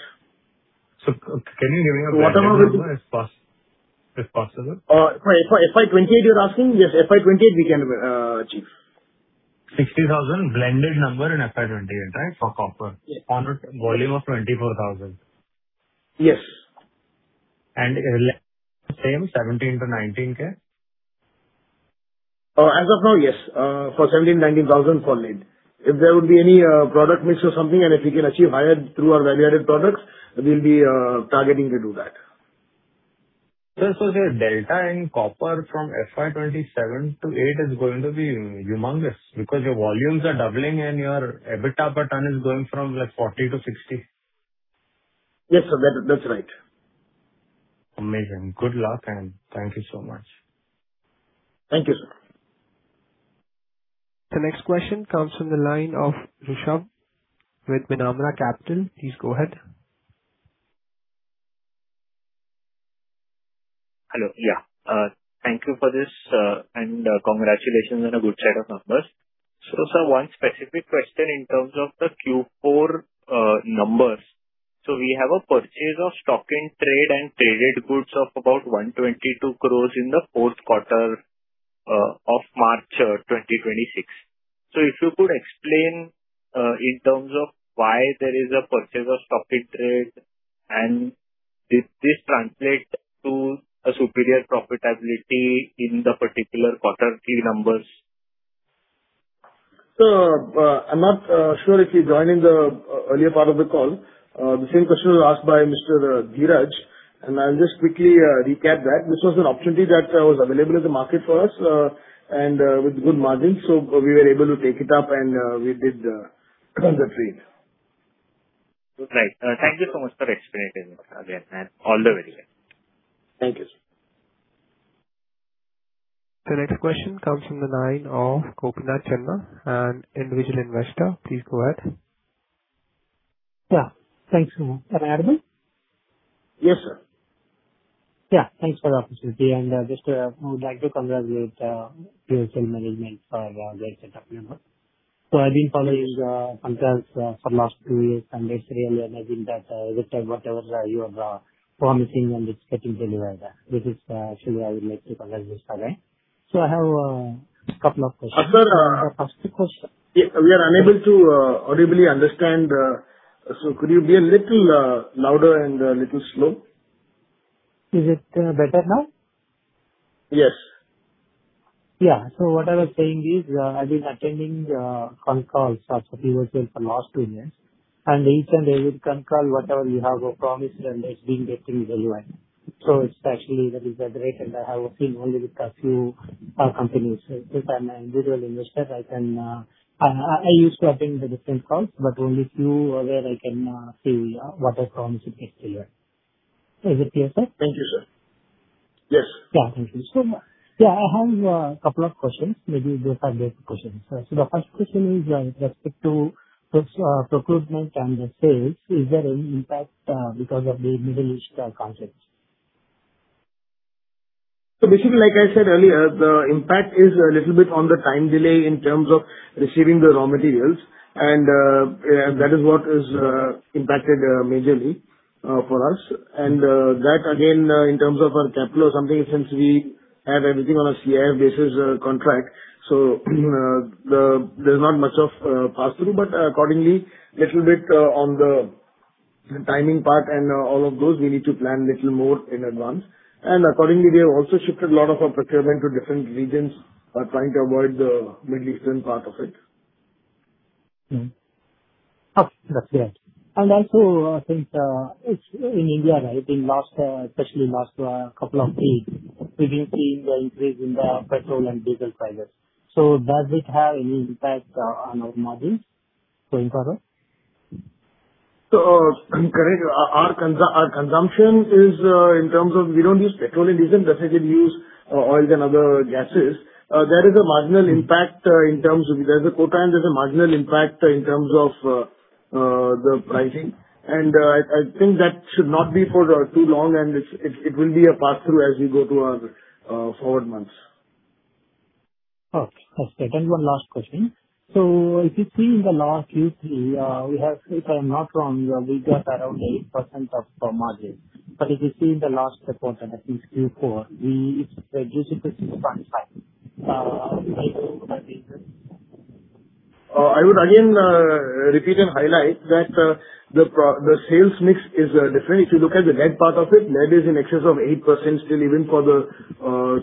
Can you give me a blended number if possible? For FY 2028 you're asking? Yes, FY 2028 we can achieve. 60,000 blended number in FY 2028, right, for copper? Yes. On a volume of 24,000. Yes. Same 17,000-19,000? As of now, yes. For 17,000, 19,000 for lead. If there would be any product mix or something, and if we can achieve higher through our value-added products, we'll be targeting to do that. Sir, the delta in copper from FY 2027 to FY 2028 is going to be humongous because your volumes are doubling and your EBITDA per ton is going from 40,000 to 60,000. Yes sir, that's right. Amazing. Good luck and thank you so much. Thank you, sir. The next question comes from the line of Rishab with Binomo Capital. Please go ahead. Hello. Yeah. Thank you for this, and congratulations on a good set of numbers. Sir, one specific question in terms of the Q4 numbers. We have a purchase of stock in trade and traded goods of about 122 crore in the fourth quarter of March 2026. If you could explain in terms of why there is a purchase of stock in trade and did this translate to a superior profitability in the particular quarter key numbers? I'm not sure if you joined in the earlier part of the call. The same question was asked by Mr. Dheeraj, and I'll just quickly recap that. This was an opportunity that was available in the market for us and with good margins, so we were able to take it up and we did the trade. Right. Thank you so much for explaining again, and all the very best. Thank you, sir. The next question comes from the line of Gopinath Chenna, an individual investor. Please go ahead. Yeah. Thanks. Am I audible? Yes, sir. Yeah, thanks for the opportunity. I just would like to congratulate the POCL management for a great set of numbers. I've been following the conference for the last two years and it's really amazing that whatever you are promising and it's getting delivered. This is actually I would like to congratulate, Sir. I have a couple of questions. The first question- We are unable to audibly understand. Could you be a little louder and a little slow? Is it better now? Yes. Yeah. What I was saying is, I've been attending the con calls of POCL for the last two years, and each and every con call, whatever you have promised and it's being getting delivered. It's actually that is a great and I have seen only with a few companies. Since I'm an individual investor, I used to attend the different calls, but only few where I can see what I promised you gets delivered. Is it clear, sir? Thank you, sir. Yes. Yeah. Thank you. Yeah, I have a couple of questions, maybe two or three questions. The first question is with respect to this procurement and the sales. Is there any impact because of the Middle East conflict? Basically, like I said earlier, the impact is a little bit on the time delay in terms of receiving the raw materials, and that is what is impacted majorly for us. That again, in terms of our capital or something, since we have everything on a CIF basis contract, so there's not much of a pass-through. Accordingly, little bit on the timing part and all of those, we need to plan little more in advance. Accordingly, we have also shifted a lot of our procurement to different regions by trying to avoid the Middle Eastern part of it. Okay. That's clear. Also, since it's in India, right? Especially last couple of weeks, we've been seeing the increase in the petrol and diesel prices. Does it have any impact on our margins going further? Correct. Our consumption is, in terms of we don't use petrol and diesel, but we use oils and other gases. There is a marginal impact in terms of, there's a quota and there's a marginal impact in terms of the pricing. I think that should not be for too long, and it will be a pass-through as we go to our forward months. Okay. One last question. If you see in the last Q3, if I'm not wrong, your lead was around 8% of margin. If you see in the last quarter, that is Q4, it's reduced to 6.5%. Is there any reason? I would again repeat and highlight that the sales mix is different. If you look at the lead part of it, lead is in excess of 8% still even for the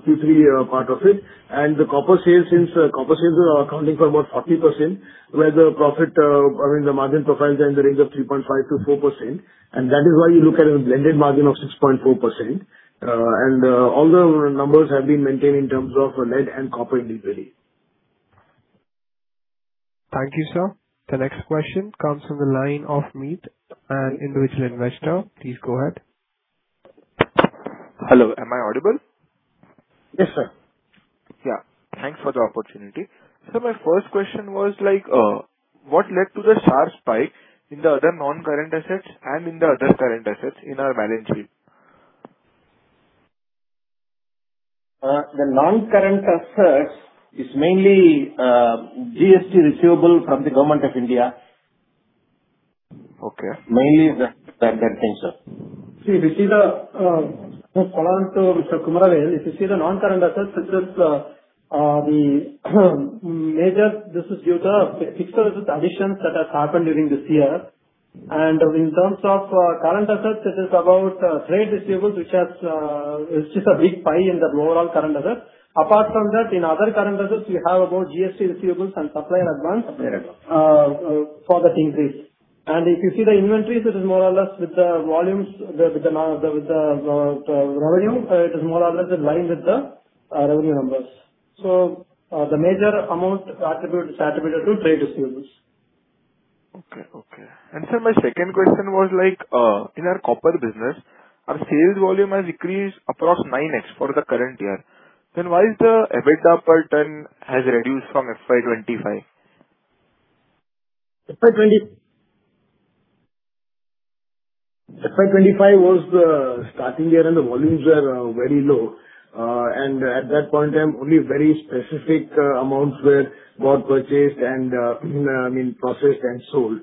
Q3 part of it. The copper sales, since copper sales are accounting for about 40%, where the profit, I mean the margin profiles are in the range of 3.5%-4%. That is why you look at a blended margin of 6.4%. All the numbers have been maintained in terms of lead and copper individually. Thank you, sir. The next question comes from the line of Meet, an individual investor. Please go ahead. Hello, am I audible? Yes, sir. Yeah. Thanks for the opportunity. Sir, my first question was like, what led to the sharp spike in the other non-current assets and in the other current assets in our balance sheet? The non-current assets is mainly GST receivable from the government of India. Okay. Mainly that thing, sir. See, if you see the major, this is due to fixes with additions that has happened during this year. In terms of current assets, this is about trade receivables, which is a big pie in the overall current assets. Apart from that, in other current assets, we have about GST receivables and supplier advance for that increase. If you see the inventories, it is more or less with the volumes, with the revenue, it is more or less in line with the revenue numbers. The major amount is attributed to trade receivables. Okay. Sir, my second question was, in our copper business, our sales volume has increased across 9x for the current year. Why is the EBITDA per ton has reduced from FY 2025? FY 2025 was the starting year. The volumes were very low. At that point in time, only very specific amounts were bought, purchased, and processed and sold.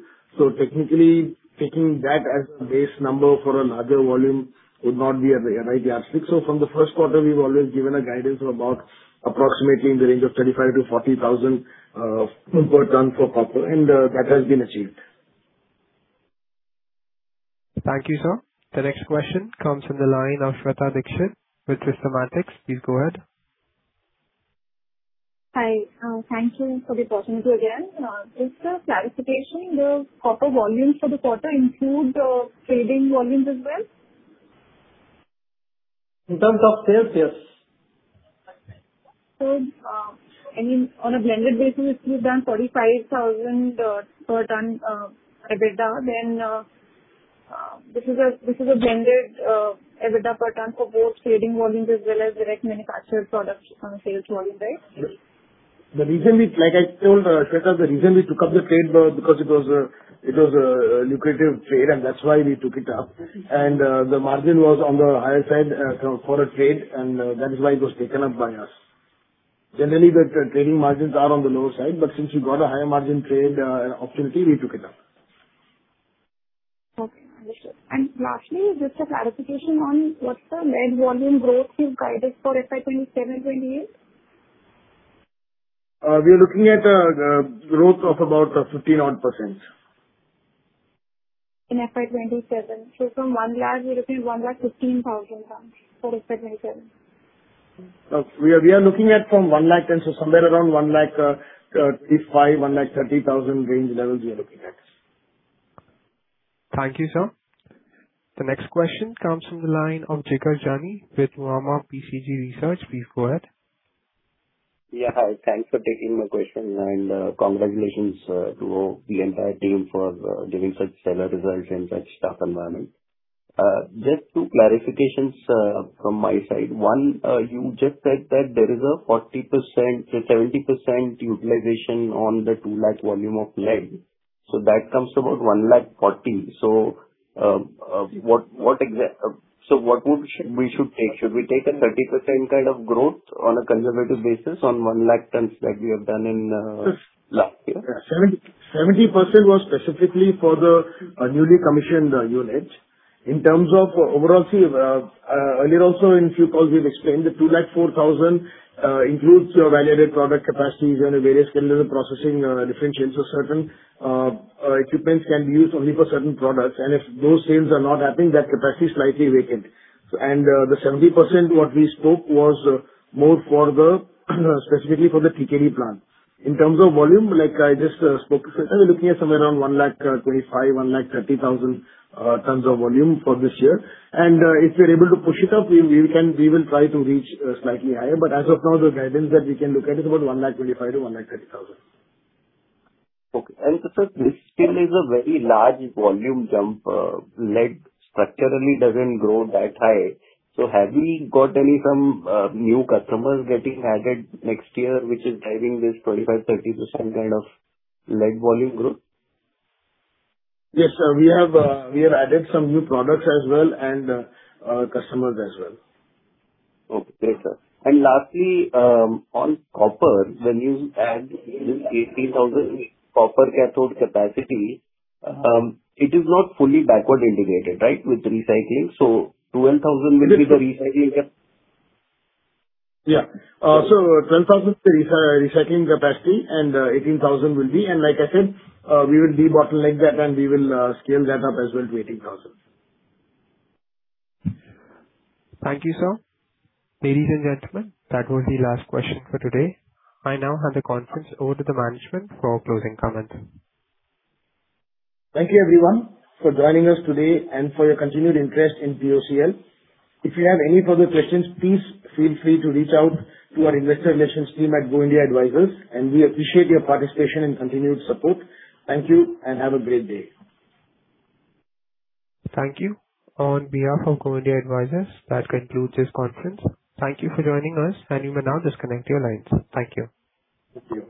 Technically, taking that as a base number for a larger volume would not be the right yardstick. From the first quarter, we've always given a guidance of about approximately in the range of 25,000-40,000 per ton for copper, and that has been achieved. Thank you, sir. The next question comes from the line of Shweta Dikshit with Systematix. Please go ahead. Hi. Thank you for the opportunity again. Just a clarification, the copper volumes for the quarter include trading volumes as well? In terms of sales, yes. On a blended basis, if you've done 45,000 per ton EBITDA, then this is a blended EBITDA per ton for both trading volumes as well as direct manufactured products on a sales volume, right? Like I told, the reason we took up the trade was because it was a lucrative trade, and that's why we took it up. The margin was on the higher side for a trade, and that is why it was taken up by us. Generally, the trading margins are on the lower side, but since we got a higher margin trade opportunity, we took it up. Okay, understood. Lastly, just a clarification on what's the lead volume growth you've guided for FY 2027, FY 2028? We are looking at a growth of about 15% odd. In FY 2027. From INR 100,000, we're looking at 115,000 tons for FY 2027. We are looking at from 1.10 lakh. Somewhere around 1.25 lakh, INR 1.30 lakh range level we are looking at. Thank you, sir. The next question comes from the line of Jigar Jani wit PCG Research. Please go ahead. Thanks for taking my question, congratulations to the entire team for delivering such stellar results in such tough environment. Just two clarifications from my side. One, you just said that there is a 70% utilization on the 200,000 volume of lead. That comes to about 1.4 lakh. What we should take? Should we take a 30% kind of growth on a conservative basis on 100,000 tons like we have done in last year? 70% was specifically for the newly commissioned units. In terms of overall, earlier also in few calls we've explained the 204,000 includes your validated product capacities and various chemical processing, different shades of certain equipments can be used only for certain products. If those sales are not happening, that capacity is slightly vacant. The 70% what we spoke was more specifically for the TKE plant. In terms of volume, like I just spoke, we're looking at somewhere around 125,000, 130,000 tons of volume for this year. If we are able to push it up, we will try to reach slightly higher, but as of now, the guidance that we can look at is about 125,000 to 130,000. Okay. Sir, this still is a very large volume jump. Lead structurally doesn't grow that high. Have we got any some new customers getting added next year, which is driving this 25%-30% kind of lead volume growth? Yes, sir. We have added some new products as well and customers as well. Okay, sir. Lastly, on copper, when you add this 18,000 copper cathode capacity, it is not fully backward integrated, right? With recycling. 12,000 will be the recycling cap- Yeah. 12,000 is the recycling capacity and 18,000 will be, and like I said, we will debottleneck that and we will scale that up as well to 18,000. Thank you, sir. Ladies and gentlemen, that was the last question for today. I now hand the conference over to the management for closing comments. Thank you everyone for joining us today and for your continued interest in POCL. If you have any further questions, please feel free to reach out to our investor relations team at Go India Advisors, and we appreciate your participation and continued support. Thank you, and have a great day. Thank you. On behalf of Go India Advisors, that concludes this conference. Thank you for joining us, and you may now disconnect your lines. Thank you.